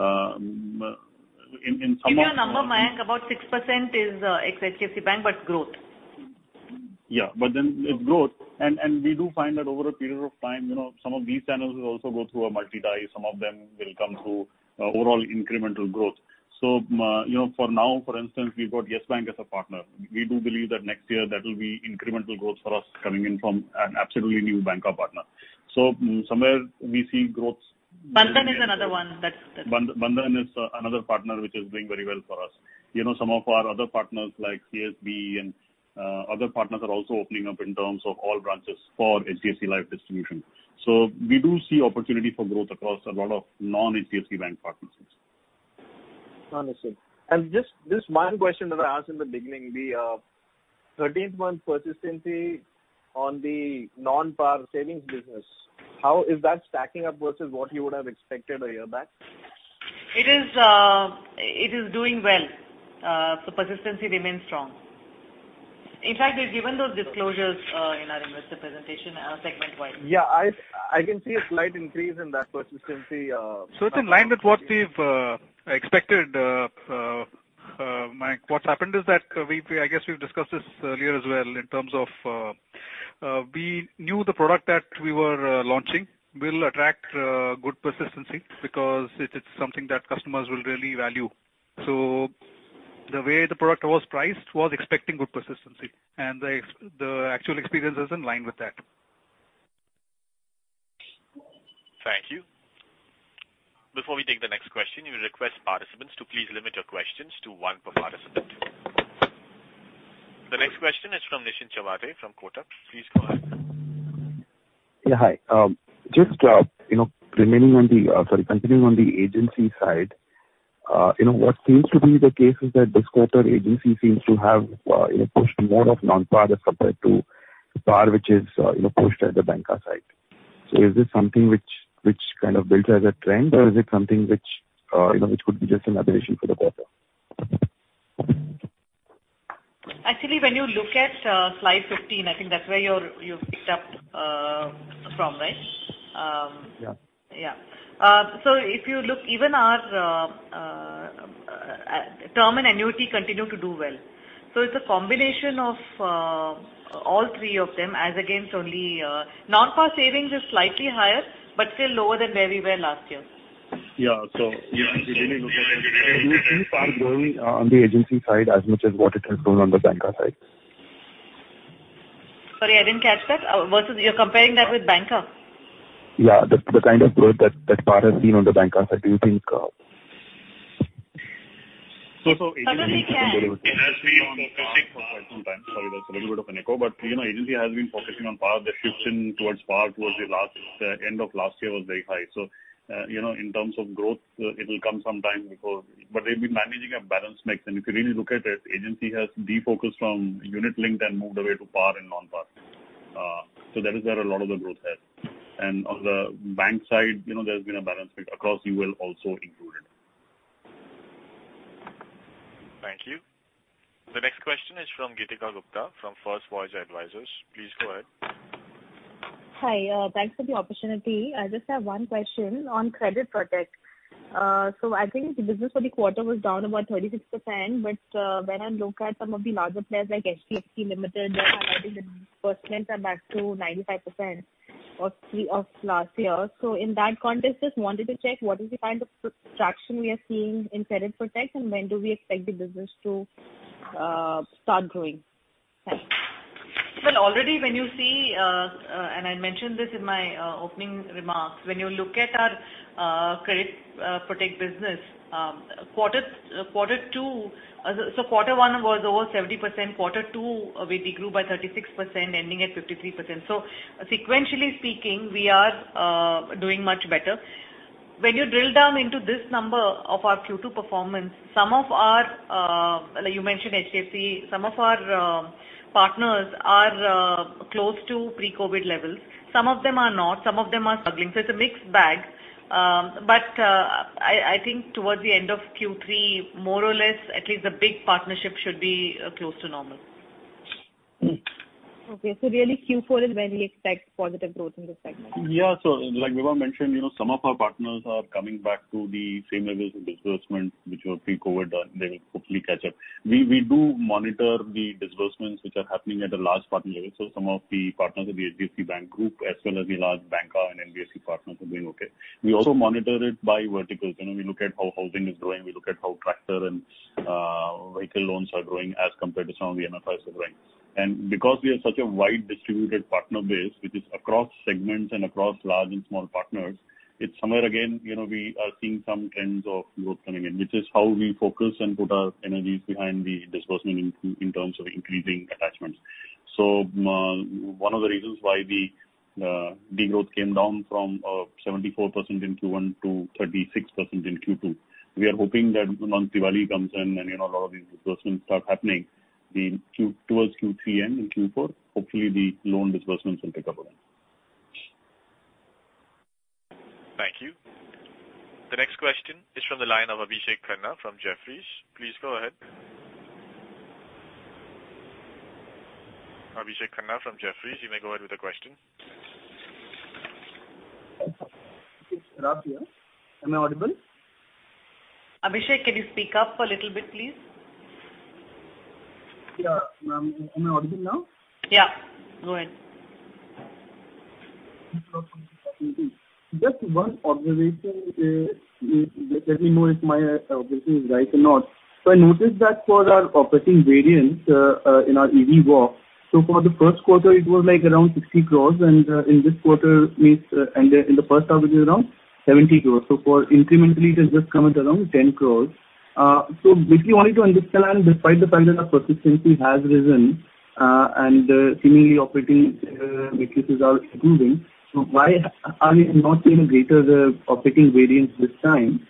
in some of the. In your number, Mayank, about six percent is ex HDFC Bank, but growth. Yeah. It's growth. We do find that over a period of time some of these channels will also go through a multi-tie, some of them will come through overall incremental growth. For now, for instance, we've got YES Bank as a partner. We do believe that next year that will be incremental growth for us coming in from an absolutely new bancassurance partner. Somewhere we see growth. Bandhan is another one. Bandhan is another partner which is doing very well for us. Some of our other partners like CSB and other partners are also opening up in terms of all branches for HDFC Life distribution. We do see opportunity for growth across a lot of non-HDFC Bank partnerships. Understood. Just this one question that I asked in the beginning, the 13th month persistency on the non-par savings business, how is that stacking up versus what you would have expected a year back? It is doing well. Persistency remains strong. In fact, we've given those disclosures in our investor presentation segment-wide. Yeah, I can see a slight increase in that persistency. It's in line with what we've expected, Mayank. What's happened is that, I guess we've discussed this earlier as well in terms of we knew the product that we were launching will attract good persistency because it's something that customers will really value. The way the product was priced was expecting good persistency, and the actual experience is in line with that. Thank you. Before we take the next question, we request participants to please limit your questions to one per participant. The next question is from Nischint Chawathe from Kotak. Please go ahead. Yeah, hi. Just continuing on the agency side, what seems to be the case is that this quarter agency seems to have pushed more of non-par as compared to the par which is pushed at the bancassurance side. Is this something which kind of builds as a trend or is it something which could be just an aberration for the quarter? Actually, when you look at slide 15, I think that's where you've picked up from, right? Yeah. Yeah. If you look, even our term and annuity continue to do well. It's a combination of all three of them. Non-par savings is slightly higher, but still lower than where we were last year. Yeah. If you really look at it, do you think PAR is growing on the agency side as much as what it has grown on the bancassurance side? Sorry, I didn't catch that. You're comparing that with bancassurance? Yeah. The kind of growth that PAR has seen on the bancassurance side. we can- It has been focusing for quite some time. Sorry, there's a little bit of an echo. Agency has been focusing on PAR. The shift towards PAR towards the end of last year was very high. In terms of growth, it will come sometime before, but they've been managing a balanced mix. If you really look at it, agency has de-focused from unit linked and moved away to PAR and non-PAR. That is where a lot of the growth has. On the bank side there's been a balanced mix across UL also included. Thank you. The next question is from Geetika Gupta from First Voyager Advisors. Please go ahead. Hi. Thanks for the opportunity. I just have one question on credit protect. I think business for the quarter was down about 36%, but when I look at some of the larger players like HDFC Limited, their disbursements are back to 95% of last year. In that context, just wanted to check what is the kind of traction we are seeing in credit protect and when do we expect the business to start growing? Thanks. Already when you see, and I mentioned this in my opening remarks, when you look at our credit protect business, Q1 was over 70%, Q2 we grew by 36%, ending at 53%. Sequentially speaking, we are doing much better. When you drill down into this number of our Q2 performance, some of our, you mentioned HDFC, some of our partners are close to pre-COVID levels. Some of them are not, some of them are struggling. It's a mixed bag. I think towards the end of Q3, more or less, at least the big partnership should be close to normal. Okay. Really Q4 is when we expect positive growth in this segment. Like Vibha mentioned, some of our partners are coming back to the same levels of disbursement which were pre-COVID. They will hopefully catch up. We do monitor the disbursements which are happening at a large partner level. Some of the partners of the HDFC Bank group as well as the large bancassurance and NBFC partners are doing okay. We also monitor it by verticals. We look at how housing is growing, we look at how tractor and vehicle loans are growing as compared to some of the other. Because we are such a wide distributed partner base which is across segments and across large and small partners, it's somewhere again we are seeing some trends of growth coming in, which is how we focus and put our energies behind the disbursement in terms of increasing attachments. One of the reasons why the de-growth came down from 74% in Q1 to 36% in Q2. We are hoping that once Diwali comes in and a lot of these disbursements start happening towards Q3 and in Q4, hopefully the loan disbursements will pick up again. Thank you. The next question is from the line of Abhishek Khanna from Jefferies. Please go ahead. Abhishek Khanna from Jefferies, you may go ahead with the question. It's Raj here. Am I audible? Abhishek, can you speak up a little bit, please? Yeah. Am I audible now? Yeah. Go ahead. Just one observation. Let me know if my observation is right or not. I noticed that for our operating variance in our EVOP, so for the first quarter, it was around 60 crores and in this quarter and in the first half it is around 70 crores. Incrementally it has just come at around 10 crores. Basically wanted to understand despite the fact that our persistency has risen and seemingly operating matrices are improving, why are we not seeing a greater operating variance this time?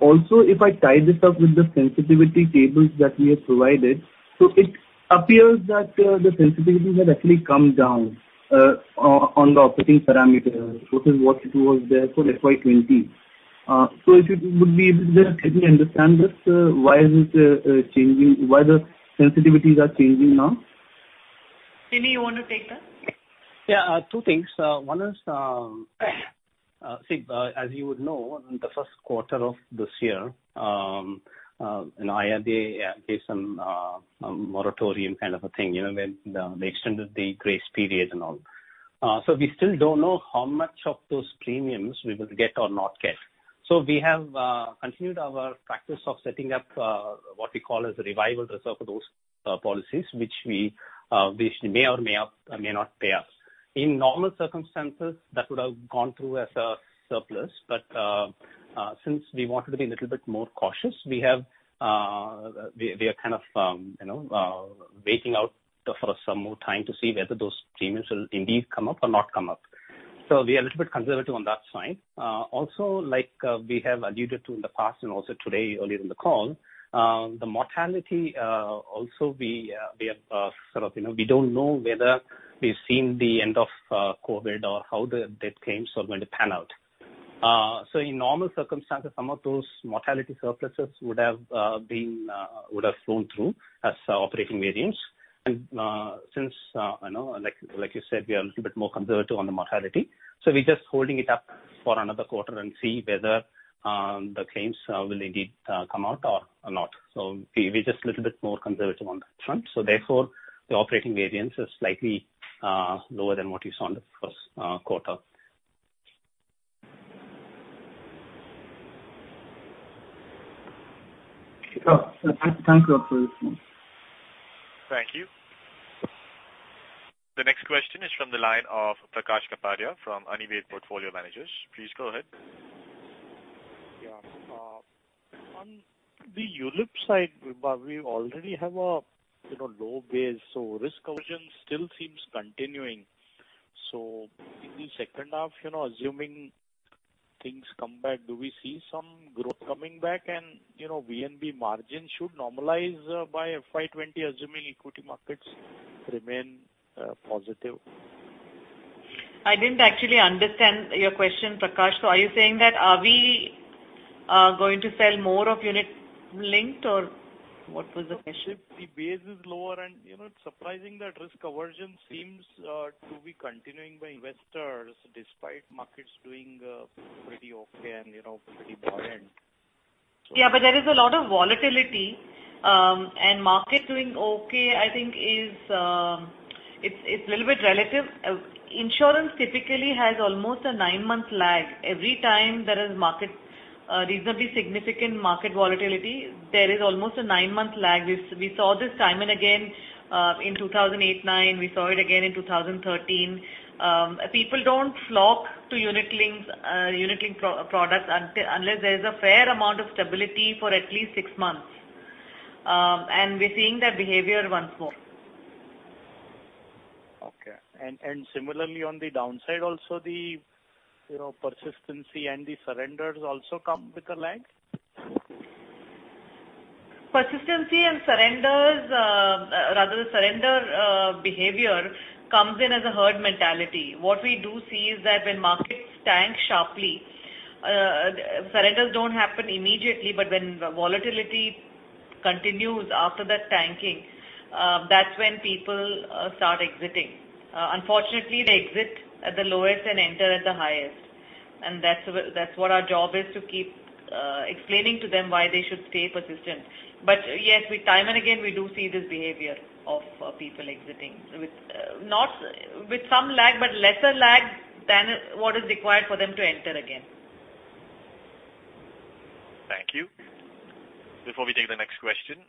Also if I tie this up with the sensitivity tables that we have provided, it appears that the sensitivity has actually come down on the operating parameters versus what it was there for FY 2020. If you would be able to help me understand this, why the sensitivities are changing now? Srini, you want to take that? Yeah, two things. One is, Sid, as you would know, in the Q1 of this year, IRDAI gave some moratorium kind of a thing. They extended the grace period and all. We still don't know how much of those premiums we will get or not get. We have continued our practice of setting up what we call as a revival reserve for those policies which may or may not pay us. In normal circumstances, that would have gone through as a surplus. Since we wanted to be a little bit more cautious, we are kind of waiting out for some more time to see whether those premiums will indeed come up or not come up. We are a little bit conservative on that side. Like we have alluded to in the past and also today earlier in the call, the mortality also we don't know whether we've seen the end of COVID or how the death claims are going to pan out. In normal circumstances, some of those mortality surpluses would have flown through as operating variance. Since like you said, we are a little bit more conservative on the mortality, we're just holding it up for another quarter and see whether the claims will indeed come out or not. We're just a little bit more conservative on that front. Therefore, the operating variance is slightly lower than what you saw in the Q1. Thank you. Thank you. The next question is from the line of Prakash Kapadia from Anived Portfolio Managers. Please go ahead. On the ULIP side, we already have a low base so risk aversion still seems continuing. In the second half, assuming things come back, do we see some growth coming back and VNB margin should normalize by FY 2020 assuming equity markets remain positive? I didn't actually understand your question, Prakash. Are you saying that are we going to sell more of unit linked or what was the question? The base is lower. It's surprising that risk aversion seems to be continuing by investors despite markets doing pretty okay and pretty buoyant. Yeah, there is a lot of volatility and market doing okay. I think it's a little bit relative. Insurance typically has almost a nine-month lag. Every time there is reasonably significant market volatility, there is almost a nine-month lag. We saw this time and again in 2008, 2009. We saw it again in 2013. People don't flock to unit-linked products unless there is a fair amount of stability for at least six months. We're seeing that behavior once more. Okay. Similarly on the downside also the persistency and the surrenders also come with a lag? Persistency and surrenders, rather the surrender behavior comes in as a herd mentality. What we do see is that when markets tank sharply, surrenders don't happen immediately. When volatility continues after that tanking, that's when people start exiting. Unfortunately, they exit at the lowest and enter at the highest. That's what our job is to keep explaining to them why they should stay persistent. Yes, time and again, we do see this behavior of people exiting with some lag, but lesser lag than what is required for them to enter again. Thank you. Before we take the next question,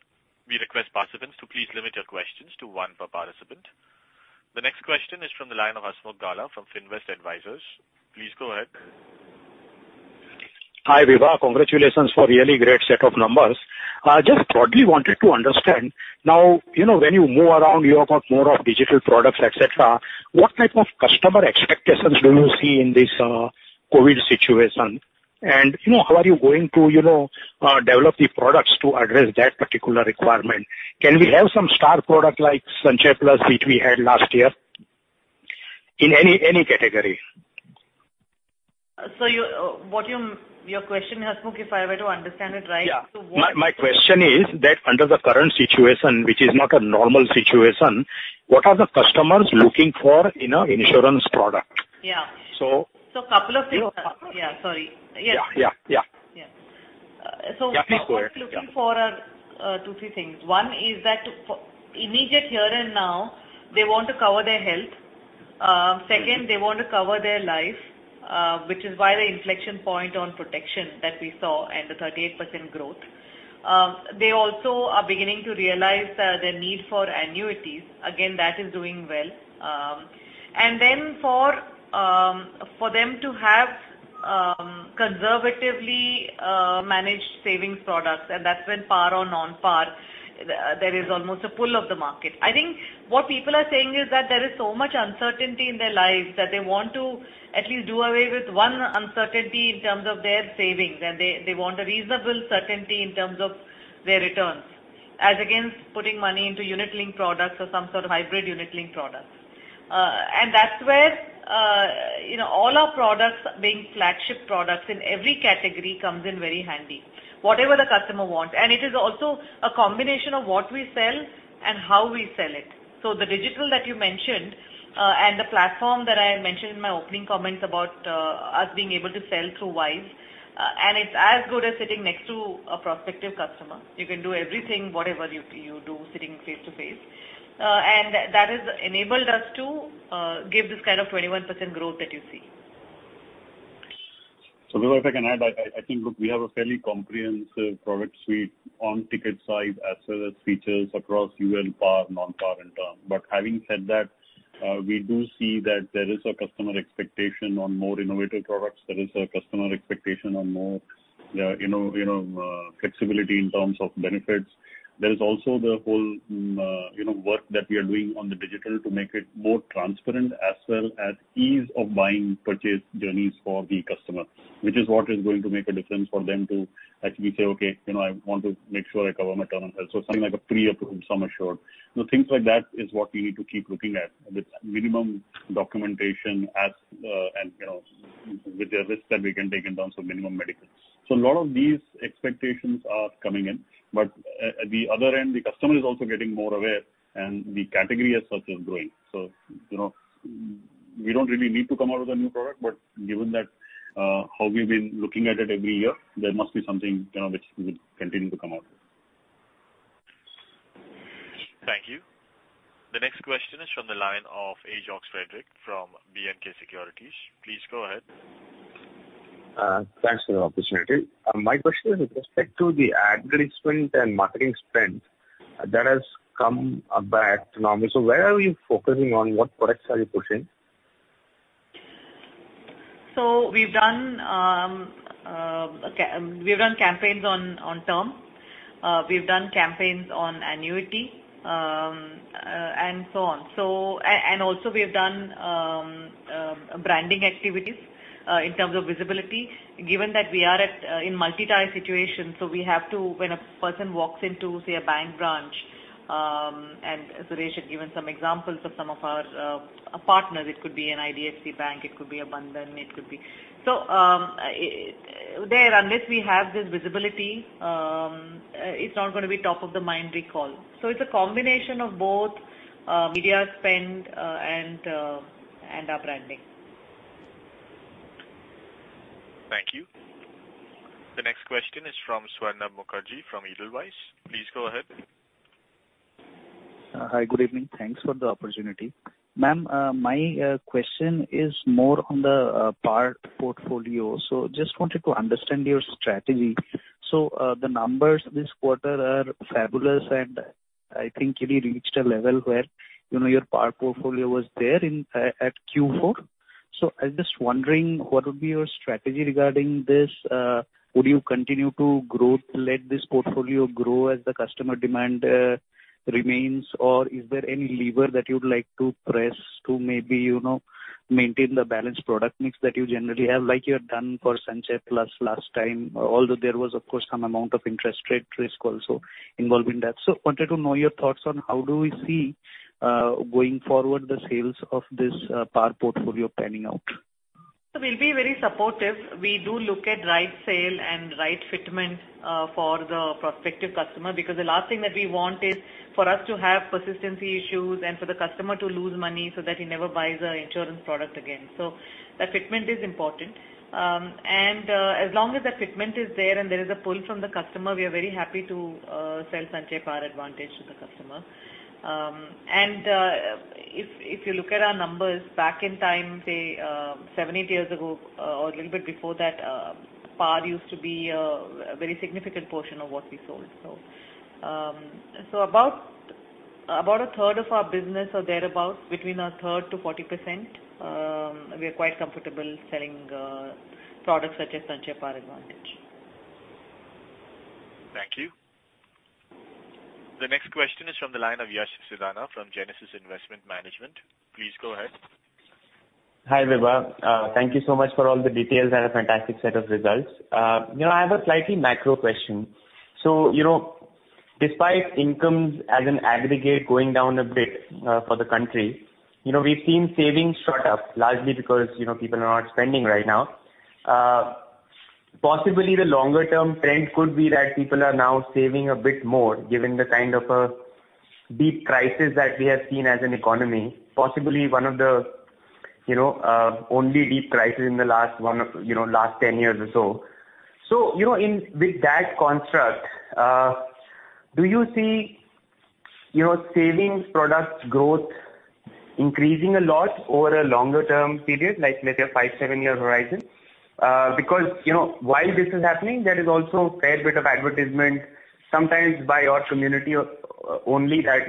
we request participants to please limit your questions to one per participant. The next question is from the line of Hasmukh Gala from Finvest Advisors. Please go ahead. Hi, Vibha. Congratulations for a really great set of numbers. I just broadly wanted to understand now, when you move around, you have got more of digital products, et cetera. What type of customer expectations do you see in this COVID situation? How are you going to develop the products to address that particular requirement? Can we have some star product like Sanchay Plus, which we had last year, in any category? Your question, Hasmukh, if I were to understand it right. Yeah. So what- My question is that under the current situation, which is not a normal situation, what are the customers looking for in an insurance product? Yeah. So- Couple of things. Yeah, sorry. Yes. Yeah. Yeah. Yeah. Yeah. Yeah, please go ahead. Yeah. What customers are looking for are two, three things. One is that immediate here and now, they want to cover their health. They want to cover their life, which is why the inflection point on protection that we saw and the 38% growth. They also are beginning to realize their need for annuities. That is doing well. For them to have conservatively managed savings products, that's when par or non-par, there is almost a pull of the market. I think what people are saying is that there is so much uncertainty in their lives that they want to at least do away with one uncertainty in terms of their savings. They want a reasonable certainty in terms of their returns as against putting money into unit link products or some sort of hybrid unit link products. That's where all our products being flagship products in every category comes in very handy. Whatever the customer wants. It is also a combination of what we sell and how we sell it. The digital that you mentioned, and the platform that I had mentioned in my opening comments about us being able to sell through WISE, and it is as good as sitting next to a prospective customer. You can do everything, whatever you do sitting face to face. That has enabled us to give this kind of 21% growth that you see. Vibha, if I can add, I think, look, we have a fairly comprehensive product suite on ticket size as well as features across UL par, non-par and term. Having said that, we do see that there is a customer expectation on more innovative products. There is a customer expectation on more flexibility in terms of benefits. There is also the whole work that we are doing on the digital to make it more transparent as well as ease of buying purchase journeys for the customer, which is what is going to make a difference for them to actually say, "Okay, I want to make sure I cover my terminal health." Something like a pre-approved sum assured. Things like that is what we need to keep looking at with minimum documentation and with the risks that we can take in terms of minimum medicals. A lot of these expectations are coming in, but at the other end, the customer is also getting more aware and the category as such is growing. We don't really need to come out with a new product, but given that how we've been looking at it every year, there must be something which we would continue to come out with. Thank you. The next question is from the line of Ajox Frederick from B&K Securities. Please go ahead. Thanks for the opportunity. My question is with respect to the ad placement and marketing spend that has come back to normal. Where are we focusing on? What products are you pushing? We've done campaigns on term. We've done campaigns on annuity, and so on. We've done branding activities in terms of visibility, given that we are in multi-tie situation, when a person walks into, say, a bank branch, and Suresh had given some examples of some of our partners. It could be an IDFC bank, it could be a Bandhan. There, unless we have this visibility, it's not going to be top of the mind recall. It's a combination of both media spend and our branding. Thank you. The next question is from Swarnabh Mukherjee from Edelweiss. Please go ahead. Hi, good evening. Thanks for the opportunity. Ma'am, my question is more on the par portfolio. Just wanted to understand your strategy. The numbers this quarter are fabulous and I think you've reached a level where your par portfolio was there at Q4. I'm just wondering what would be your strategy regarding this. Would you continue to let this portfolio grow as the customer demand remains, or is there any lever that you'd like to press to maybe maintain the balanced product mix that you generally have, like you had done for Sanchay Plus last time? Although there was, of course, some amount of interest rate risk also involved in that. Wanted to know your thoughts on how do we see going forward the sales of this par portfolio panning out. We'll be very supportive. We do look at right sale and right fitment for the prospective customer because the last thing that we want is for us to have persistency issues and for the customer to lose money so that he never buys an insurance product again. The fitment is important. As long as the fitment is there and there is a pull from the customer, we are very happy to sell Sanchay Par Advantage to the customer. If you look at our numbers back in time, say seven, eight years ago or a little bit before that, par used to be a very significant portion of what we sold. About a third of our business or thereabout, between a third to 40%, we are quite comfortable selling products such as Sanchay Par Advantage. Thank you. The next question is from the line of Yash Sidana from Genesis Investment Management. Please go ahead. Hi, Vibha. Thank you so much for all the details and a fantastic set of results. I have a slightly macro question. Despite incomes as an aggregate going down a bit for the country, we've seen savings shot up, largely because people are not spending right now. Possibly the longer-term trend could be that people are now saving a bit more, given the kind of a deep crisis that we have seen as an economy, possibly one of the only deep crisis in the last 10 years or so. With that construct, do you see your savings products growth increasing a lot over a longer-term period, like let's say a five, seven-year horizon? While this is happening, there is also a fair bit of advertisement, sometimes by your community only that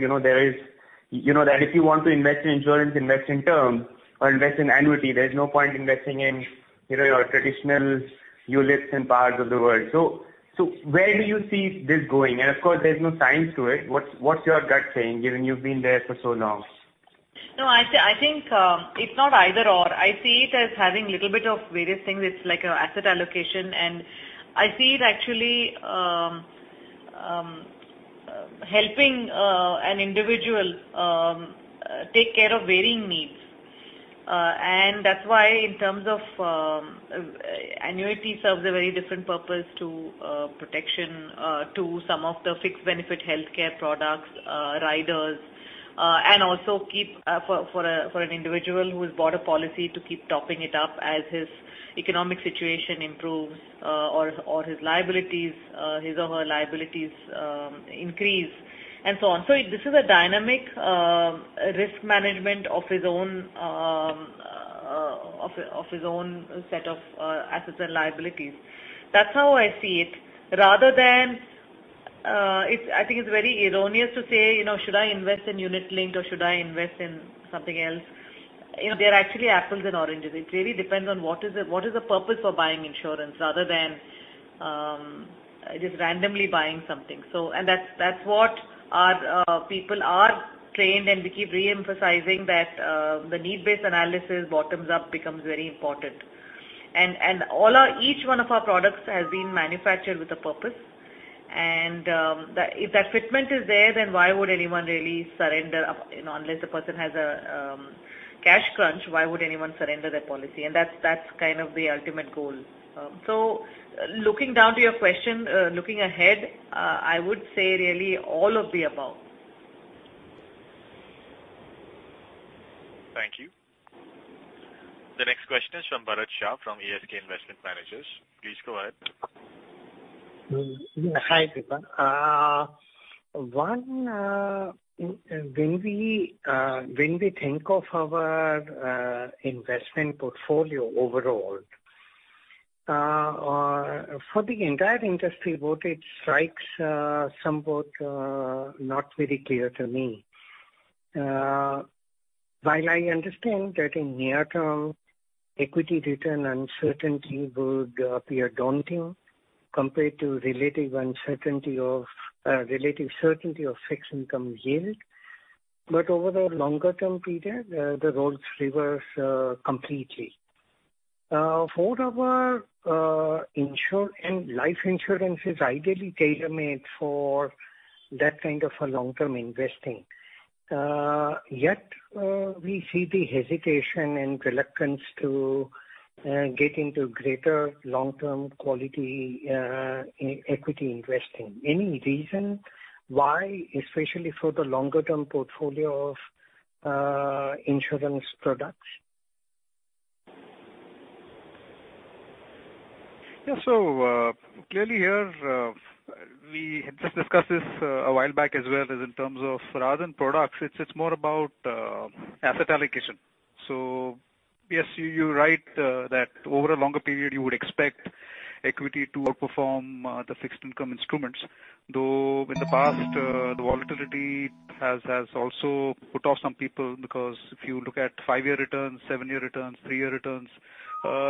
if you want to invest in insurance, invest in terms or invest in annuity. There's no point investing in your traditional ULIPs and parts of the world. Where do you see this going? Of course, there's no science to it. What's your gut saying, given you've been there for so long? No, I think it's not either/or. I see it as having little bit of various things. It's like asset allocation, and I see it actually helping an individual take care of varying needs. That's why in terms of annuity serves a very different purpose to protection to some of the fixed benefit healthcare products, riders and also for an individual who has bought a policy to keep topping it up as his economic situation improves or his or her liabilities increase, and so on. This is a dynamic risk management of his own set of assets and liabilities. That's how I see it. I think it's very erroneous to say, should I invest in unit linked or should I invest in something else? They're actually apples and oranges. It really depends on what is the purpose of buying insurance rather than just randomly buying something. That's what our people are trained, and we keep re-emphasizing that the need-based analysis bottoms-up becomes very important. Each one of our products has been manufactured with a purpose. If that fitment is there, then why would anyone really surrender, unless the person has a cash crunch, why would anyone surrender their policy? That's the ultimate goal. Looking down to your question, looking ahead, I would say really all of the above. Thank you. The next question is from Bharat Shah, from ASK Investment Managers. Please go ahead. Hi, Vibha. One, when we think of our investment portfolio overall for the entire industry, what it strikes somewhat not very clear to me. While I understand that in near term, equity return uncertainty would appear daunting compared to relative certainty of fixed income yield. Over the longer-term period, the roles reverse completely. For our life insurance is ideally tailor-made for that kind of a long-term investing. Yet, we see the hesitation and reluctance to get into greater long-term quality equity investing. Any reason why, especially for the longer-term portfolio of insurance products? Yeah. Clearly here, we had just discussed this a while back as well as in terms of Rajan products. It's more about asset allocation. Yes, you're right that over a longer period you would expect equity to outperform the fixed income instruments. Though in the past, the volatility has also put off some people because if you look at five-year returns, seven-year returns, three-year returns,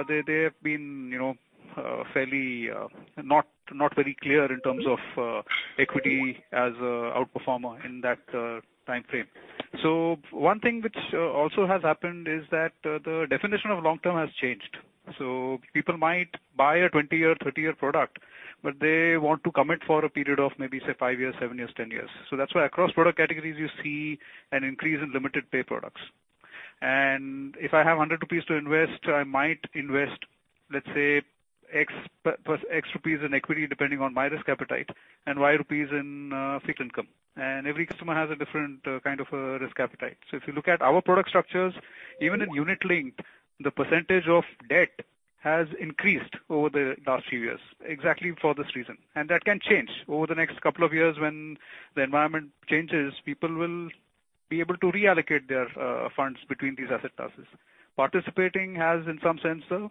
they have been not very clear in terms of equity as a outperformer in that timeframe. One thing which also has happened is that the definition of long-term has changed. People might buy a 20-year, 30-year product, but they want to commit for a period of maybe say, five years, seven years, 10 years. That's why across product categories, you see an increase in limited pay products. If I have 100 rupees to invest, I might invest, let's say, x INR in equity depending on my risk appetite and y INR in fixed income. Every customer has a different kind of a risk appetite. If you look at our product structures, even in unit link, the percentage of debt has increased over the last few years exactly for this reason. That can change over the next couple of years when the environment changes, people will be able to reallocate their funds between these asset classes. Participating has in some sense, though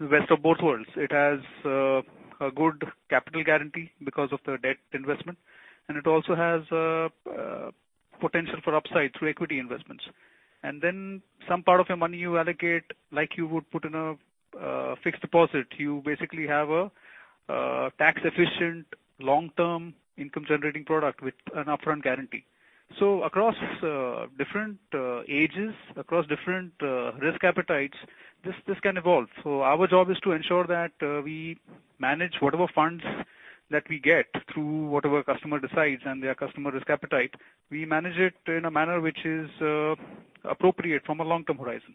the best of both worlds. It has a good capital guarantee because of the debt investment, and it also has potential for upside through equity investments. Then some part of your money you allocate like you would put in a fixed deposit. You basically have a tax-efficient long-term income generating product with an upfront guarantee. Across different ages, across different risk appetites, this can evolve. Our job is to ensure that we manage whatever funds that we get through whatever customer decides and their customer risk appetite. We manage it in a manner which is appropriate from a long-term horizon.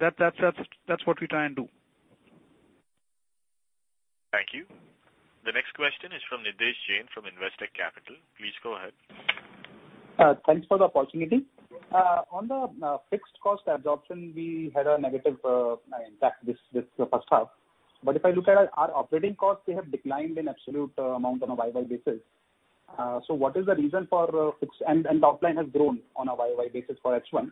That's what we try and do. Thank you. The next question is from Nidhesh Jain, from Investec Capital. Please go ahead. Thanks for the opportunity. On the fixed cost absorption, we had a negative impact this first half. If I look at our operating costs, they have declined in absolute amount on a YY basis. The top line has grown on a YY basis for H1.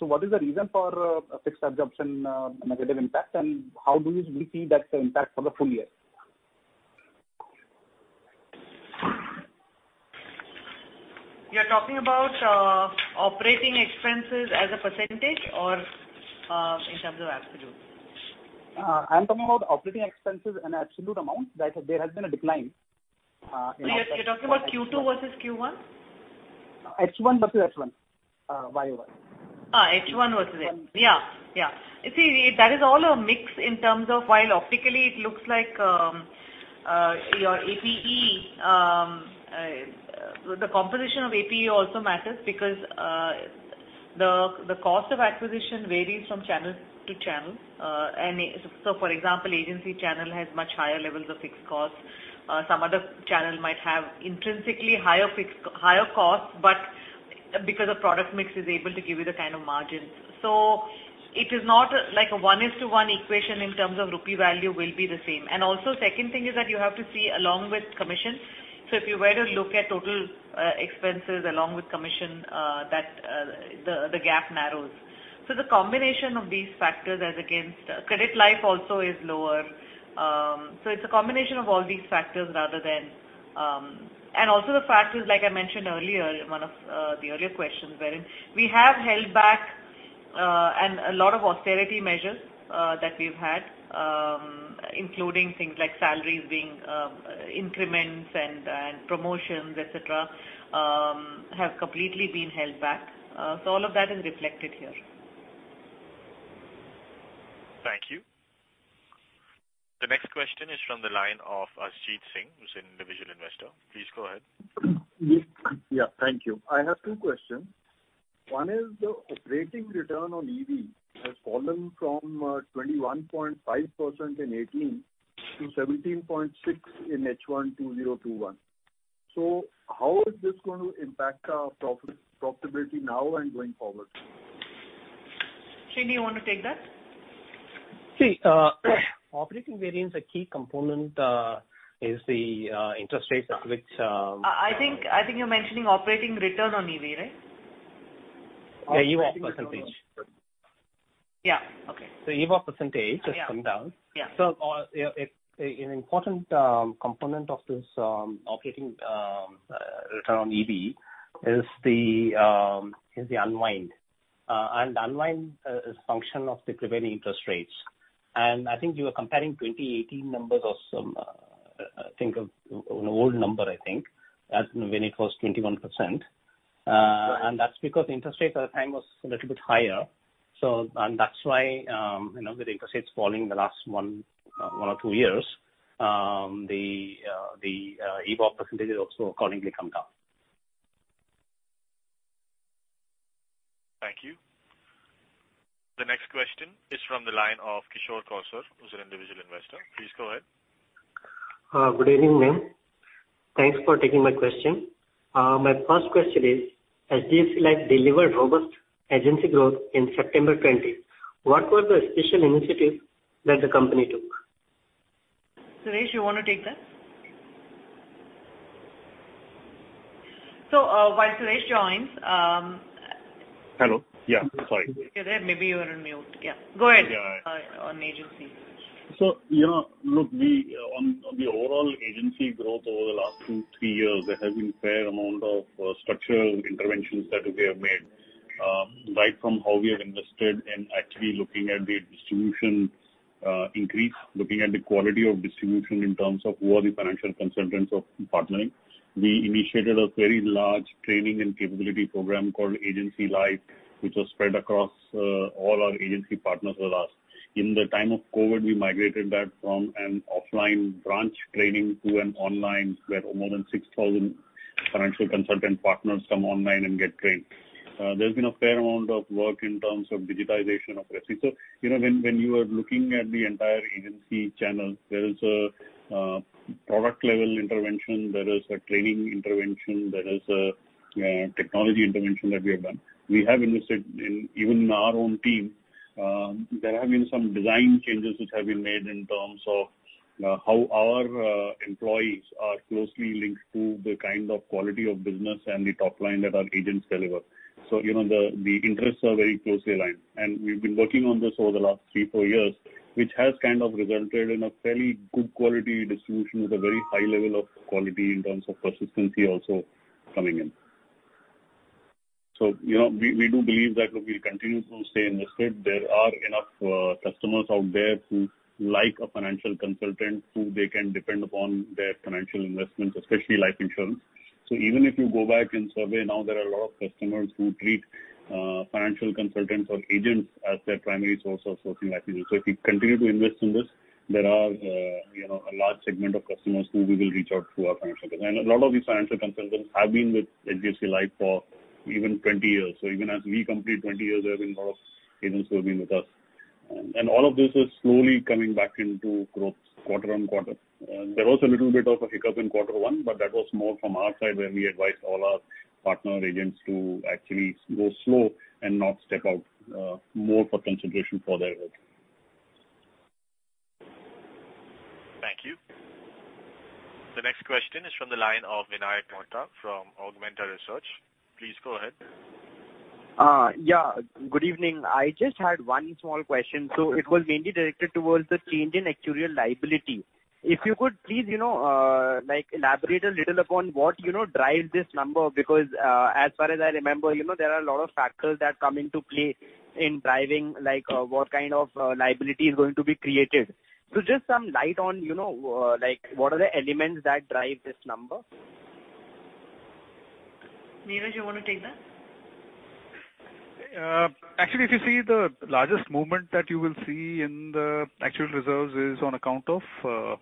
What is the reason for a fixed absorption negative impact, and how do we see that impact for the full year? You're talking about operating expenses as a percentage or in terms of absolute? I'm talking about operating expenses in absolute amount. There has been a decline in absolute amount. You're talking about Q2 versus Q1? H1 versus H1, YY. H1 versus H1. Yeah. That is all a mix in terms of while optically it looks like your APE. The composition of APE also matters because the cost of acquisition varies from channel to channel. For example, agency channel has much higher levels of fixed costs. Because the product mix is able to give you the kind of margins. It is not like a one is to one equation in terms of INR value will be the same. Second thing is that you have to see along with commission. If you were to look at total expenses along with commission, the gap narrows. The combination of these factors as against credit protect also is lower. It's a combination of all these factors. Also the fact is, like I mentioned earlier, one of the earlier questions, wherein we have held back and a lot of austerity measures that we've had including things like salaries being increments and promotions, etc., have completely been held back. All of that is reflected here. Thank you. The next question is from the line of Arjit Singh, who's an individual investor. Please go ahead. Thank you. I have two questions. One is the operating return on EV has fallen from 21.5% in 2018 to 17.6% in H1 2021. How is this going to impact our profitability now and going forward? Srini, do you want to take that? See, operating variance, a key component is the interest rates at which. I think you're mentioning operating return on EV, right? Yeah, EVOP percent. Yeah. Okay. EVOP percentage has come down. Yeah. An important component of this operating return on EV is the unwind. Unwind is a function of the prevailing interest rates. I think you were comparing 2018 numbers or some old number, I think, when it was 21%. That is because interest rates at the time were a little bit higher. That is why, with interest rates falling the last one or two years, the EVOP percentage has also accordingly come down. Thank you. The next question is from the line of Kishore Kausar, who's an individual investor. Please go ahead. Good evening, ma'am. Thanks for taking my question. My first question is, HDFC Life delivered robust agency growth in September 2020. What was the special initiative that the company took? Suresh, you want to take that? While Suresh joins. Hello? Yeah. Sorry. You're there. Maybe you were on mute. Yeah, go ahead. Yeah. On agency. Look, on the overall agency growth over the last two, 3 years, there has been fair amount of structural interventions that we have made. Right from how we have invested in actually looking at the distribution increase, looking at the quality of distribution in terms of who are the financial consultants of partnering. We initiated a very large training and capability program called Agency Life, which was spread across all our agency partners with us. In the time of COVID, we migrated that from an offline branch training to an online where more than 6,000 financial consultant partners come online and get trained. There's been a fair amount of work in terms of digitization of registry. When you are looking at the entire agency channel, there is a product level intervention, there is a training intervention, there is a technology intervention that we have done. We have invested in even our own team. There have been some design changes which have been made in terms of how our employees are closely linked to the kind of quality of business and the top line that our agents deliver. The interests are very closely aligned. We've been working on this over the last three, four years, which has resulted in a fairly good quality distribution with a very high level of quality in terms of persistency also coming in. We do believe that if we continue to stay invested, there are enough customers out there who like a financial consultant who they can depend upon their financial investments, especially life insurance. Even if you go back and survey now, there are a lot of customers who treat financial consultants or agents as their primary source of sourcing life insurance. If we continue to invest in this, there are a large segment of customers who we will reach out to our financial consultants. A lot of these financial consultants have been with HDFC Life for even 20 years. Even as we complete 20 years, there have been a lot of agents who have been with us. All of this is slowly coming back into growth quarter-on-quarter. There was a little bit of a hiccup in quarter one, but that was more from our side where we advised all our partner agents to actually go slow and not step out more for consideration for their work. Thank you. The next question is from the line of Vinayak Mohta from Augmenta Research. Please go ahead. Yeah, good evening. I just had one small question. It was mainly directed towards the change in actuarial liability. If you could please elaborate a little upon what drives this number, because as far as I remember, there are a lot of factors that come into play in driving what kind of liability is going to be created. Just some light on what are the elements that drive this number. Niraj, you want to take that? Actually, if you see the largest movement that you will see in the actual reserves is on account of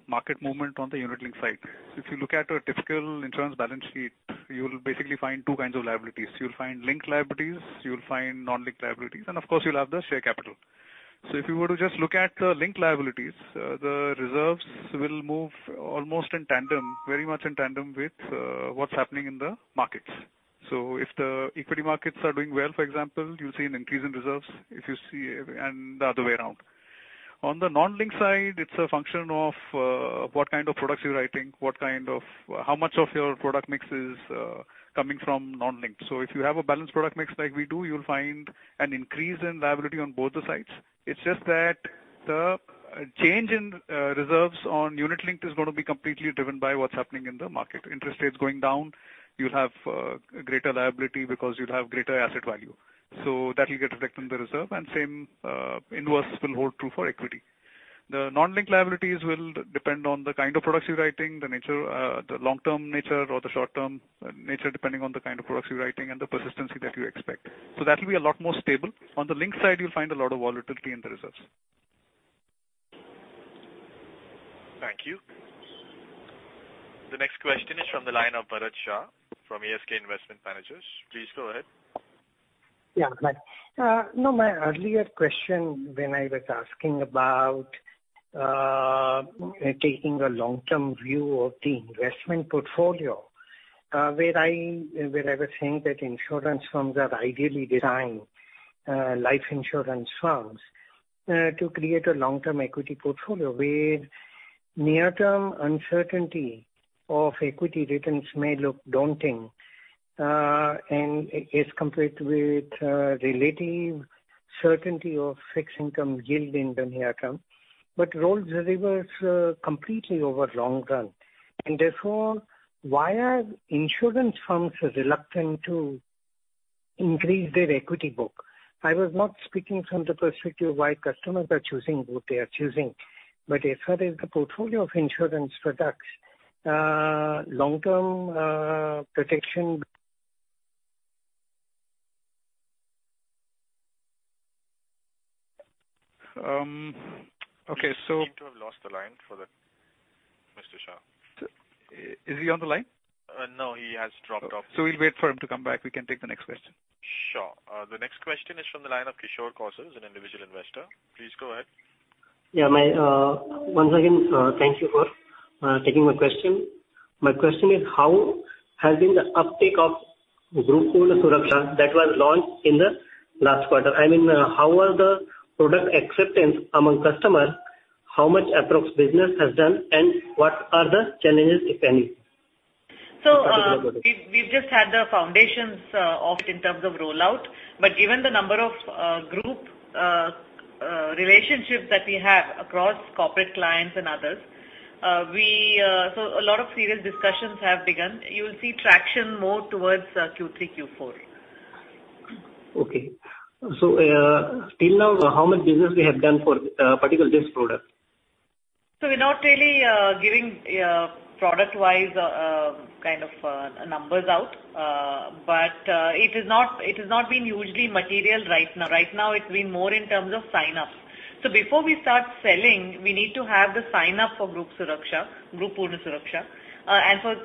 market movement on the unit link side. If you look at a typical insurance balance sheet, you'll basically find two kinds of liabilities. You'll find linked liabilities, you'll find non-linked liabilities, and of course you'll have the share capital. If you were to just look at the linked liabilities, the reserves will move almost in tandem, very much in tandem with what's happening in the markets. If the equity markets are doing well, for example, you'll see an increase in reserves, and the other way around. On the non-linked side, it's a function of what kind of products you're writing, how much of your product mix is coming from non-linked. If you have a balanced product mix like we do, you'll find an increase in liability on both the sides. It's just that the change in reserves on unit-linked is going to be completely driven by what's happening in the market. Interest rates going down, you'll have a greater liability because you'd have greater asset value. That will get reflected in the reserve, and same inverse will hold true for equity. The non-linked liabilities will depend on the kind of products you're writing, the long-term nature or the short-term nature, depending on the kind of products you're writing and the persistency that you expect. That will be a lot more stable. On the linked side, you'll find a lot of volatility in the reserves. Thank you. The next question is from the line of Bharat Shah from ASK Investment Managers. Please go ahead. Yeah. No, my earlier question when I was asking about taking a long-term view of the investment portfolio where I was saying that insurance firms are ideally designed, life insurance firms, to create a long-term equity portfolio where near-term uncertainty of equity returns may look daunting and is compared with relative certainty of fixed income yield in the near term, but roles reverse completely over long-term. Therefore, why are insurance firms reluctant to increase their equity book? I was not speaking from the perspective why customers are choosing what they are choosing. As far as the portfolio of insurance products, long-term protection Okay. We seem to have lost the line for Mr. Shah. Is he on the line? No, he has dropped off. We'll wait for him to come back. We can take the next question. Sure. The next question is from the line of Kishore Kausar, an individual investor. Please go ahead. Yeah, once again, thank you for taking my question. My question is how has been the uptake of Group Poorna Suraksha that was launched in the last quarter? How was the product acceptance among customers, how much approx business has done, and what are the challenges, if any? We've just had the foundations of it in terms of rollout. Given the number of group relationships that we have across corporate clients and others, a lot of serious discussions have begun. You will see traction more towards Q3, Q4. Okay. Till now, how much business we have done for particular this product? We're not really giving product-wise numbers out. It has not been hugely material right now. Right now it's been more in terms of sign-ups. Before we start selling, we need to have the sign-up for Group Poorna Suraksha.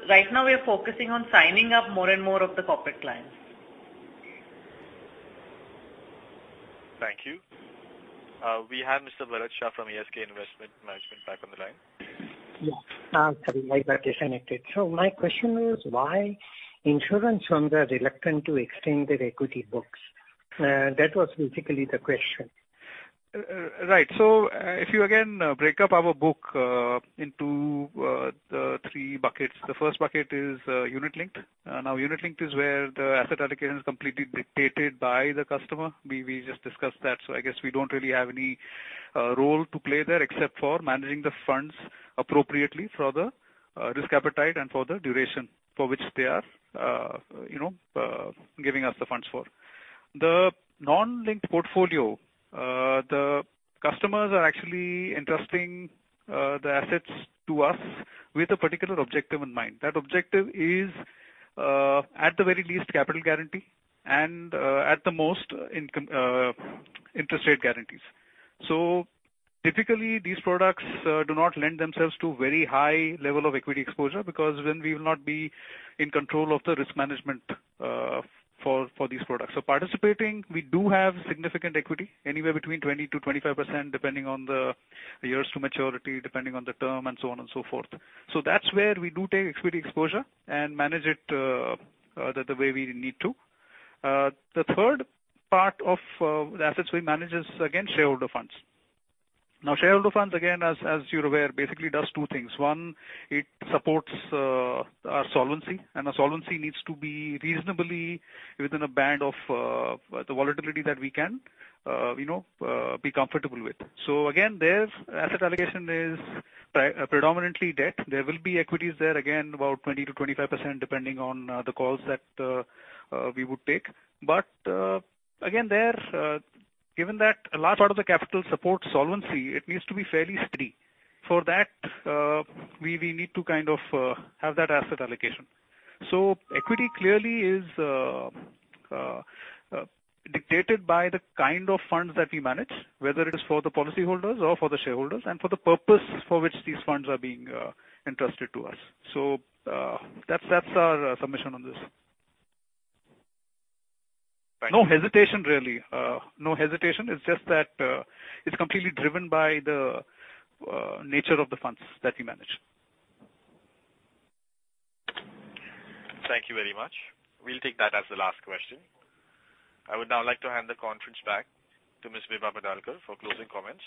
Right now we are focusing on signing up more and more of the corporate clients. Thank you. We have Mr. Bharat Shah from ASK Investment Managers back on the line. Yeah. Sorry about that. My question is why insurance firms are reluctant to extend their equity books. That was basically the question. If you again break up our book into the three buckets, the first bucket is unit linked. Unit linked is where the asset allocation is completely dictated by the customer. We just discussed that. I guess we don't really have any role to play there except for managing the funds appropriately for the risk appetite and for the duration for which they are giving us the funds for. The non-linked portfolio, the customers are actually entrusting the assets to us with a particular objective in mind. That objective is, at the very least, capital guarantee and at the most, interest rate guarantees. Typically, these products do not lend themselves to very high level of equity exposure because then we will not be in control of the risk management for these products. Participating, we do have significant equity anywhere between 20%-25% depending on the years to maturity, depending on the term, and so on and so forth. The third part of the assets we manage is, again, shareholder funds. Shareholder funds, again, as you're aware, basically does two things. One, it supports our solvency and our solvency needs to be reasonably within a band of the volatility that we can be comfortable with. Again, their asset allocation is predominantly debt. There will be equities there, again, about 20%-25%, depending on the calls that we would take. Again, there, given that a large part of the capital supports solvency, it needs to be fairly steady. For that, we need to have that asset allocation. Equity clearly is dictated by the kind of funds that we manage, whether it is for the policyholders or for the shareholders and for the purpose for which these funds are being entrusted to us. That's our submission on this. No hesitation really. No hesitation. It's just that it's completely driven by the nature of the funds that we manage. Thank you very much. We'll take that as the last question. I would now like to hand the conference back to Ms. Vibha Padalkar for closing comments.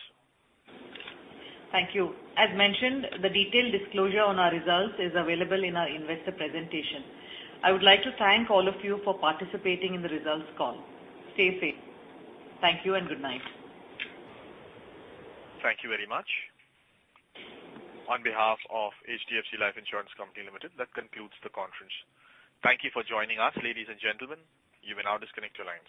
Thank you. As mentioned, the detailed disclosure on our results is available in our investor presentation. I would like to thank all of you for participating in the results call. Stay safe. Thank you and good night. Thank you very much. On behalf of HDFC Life Insurance Company Limited, that concludes the conference. Thank you for joining us, ladies and gentlemen. You may now disconnect your lines.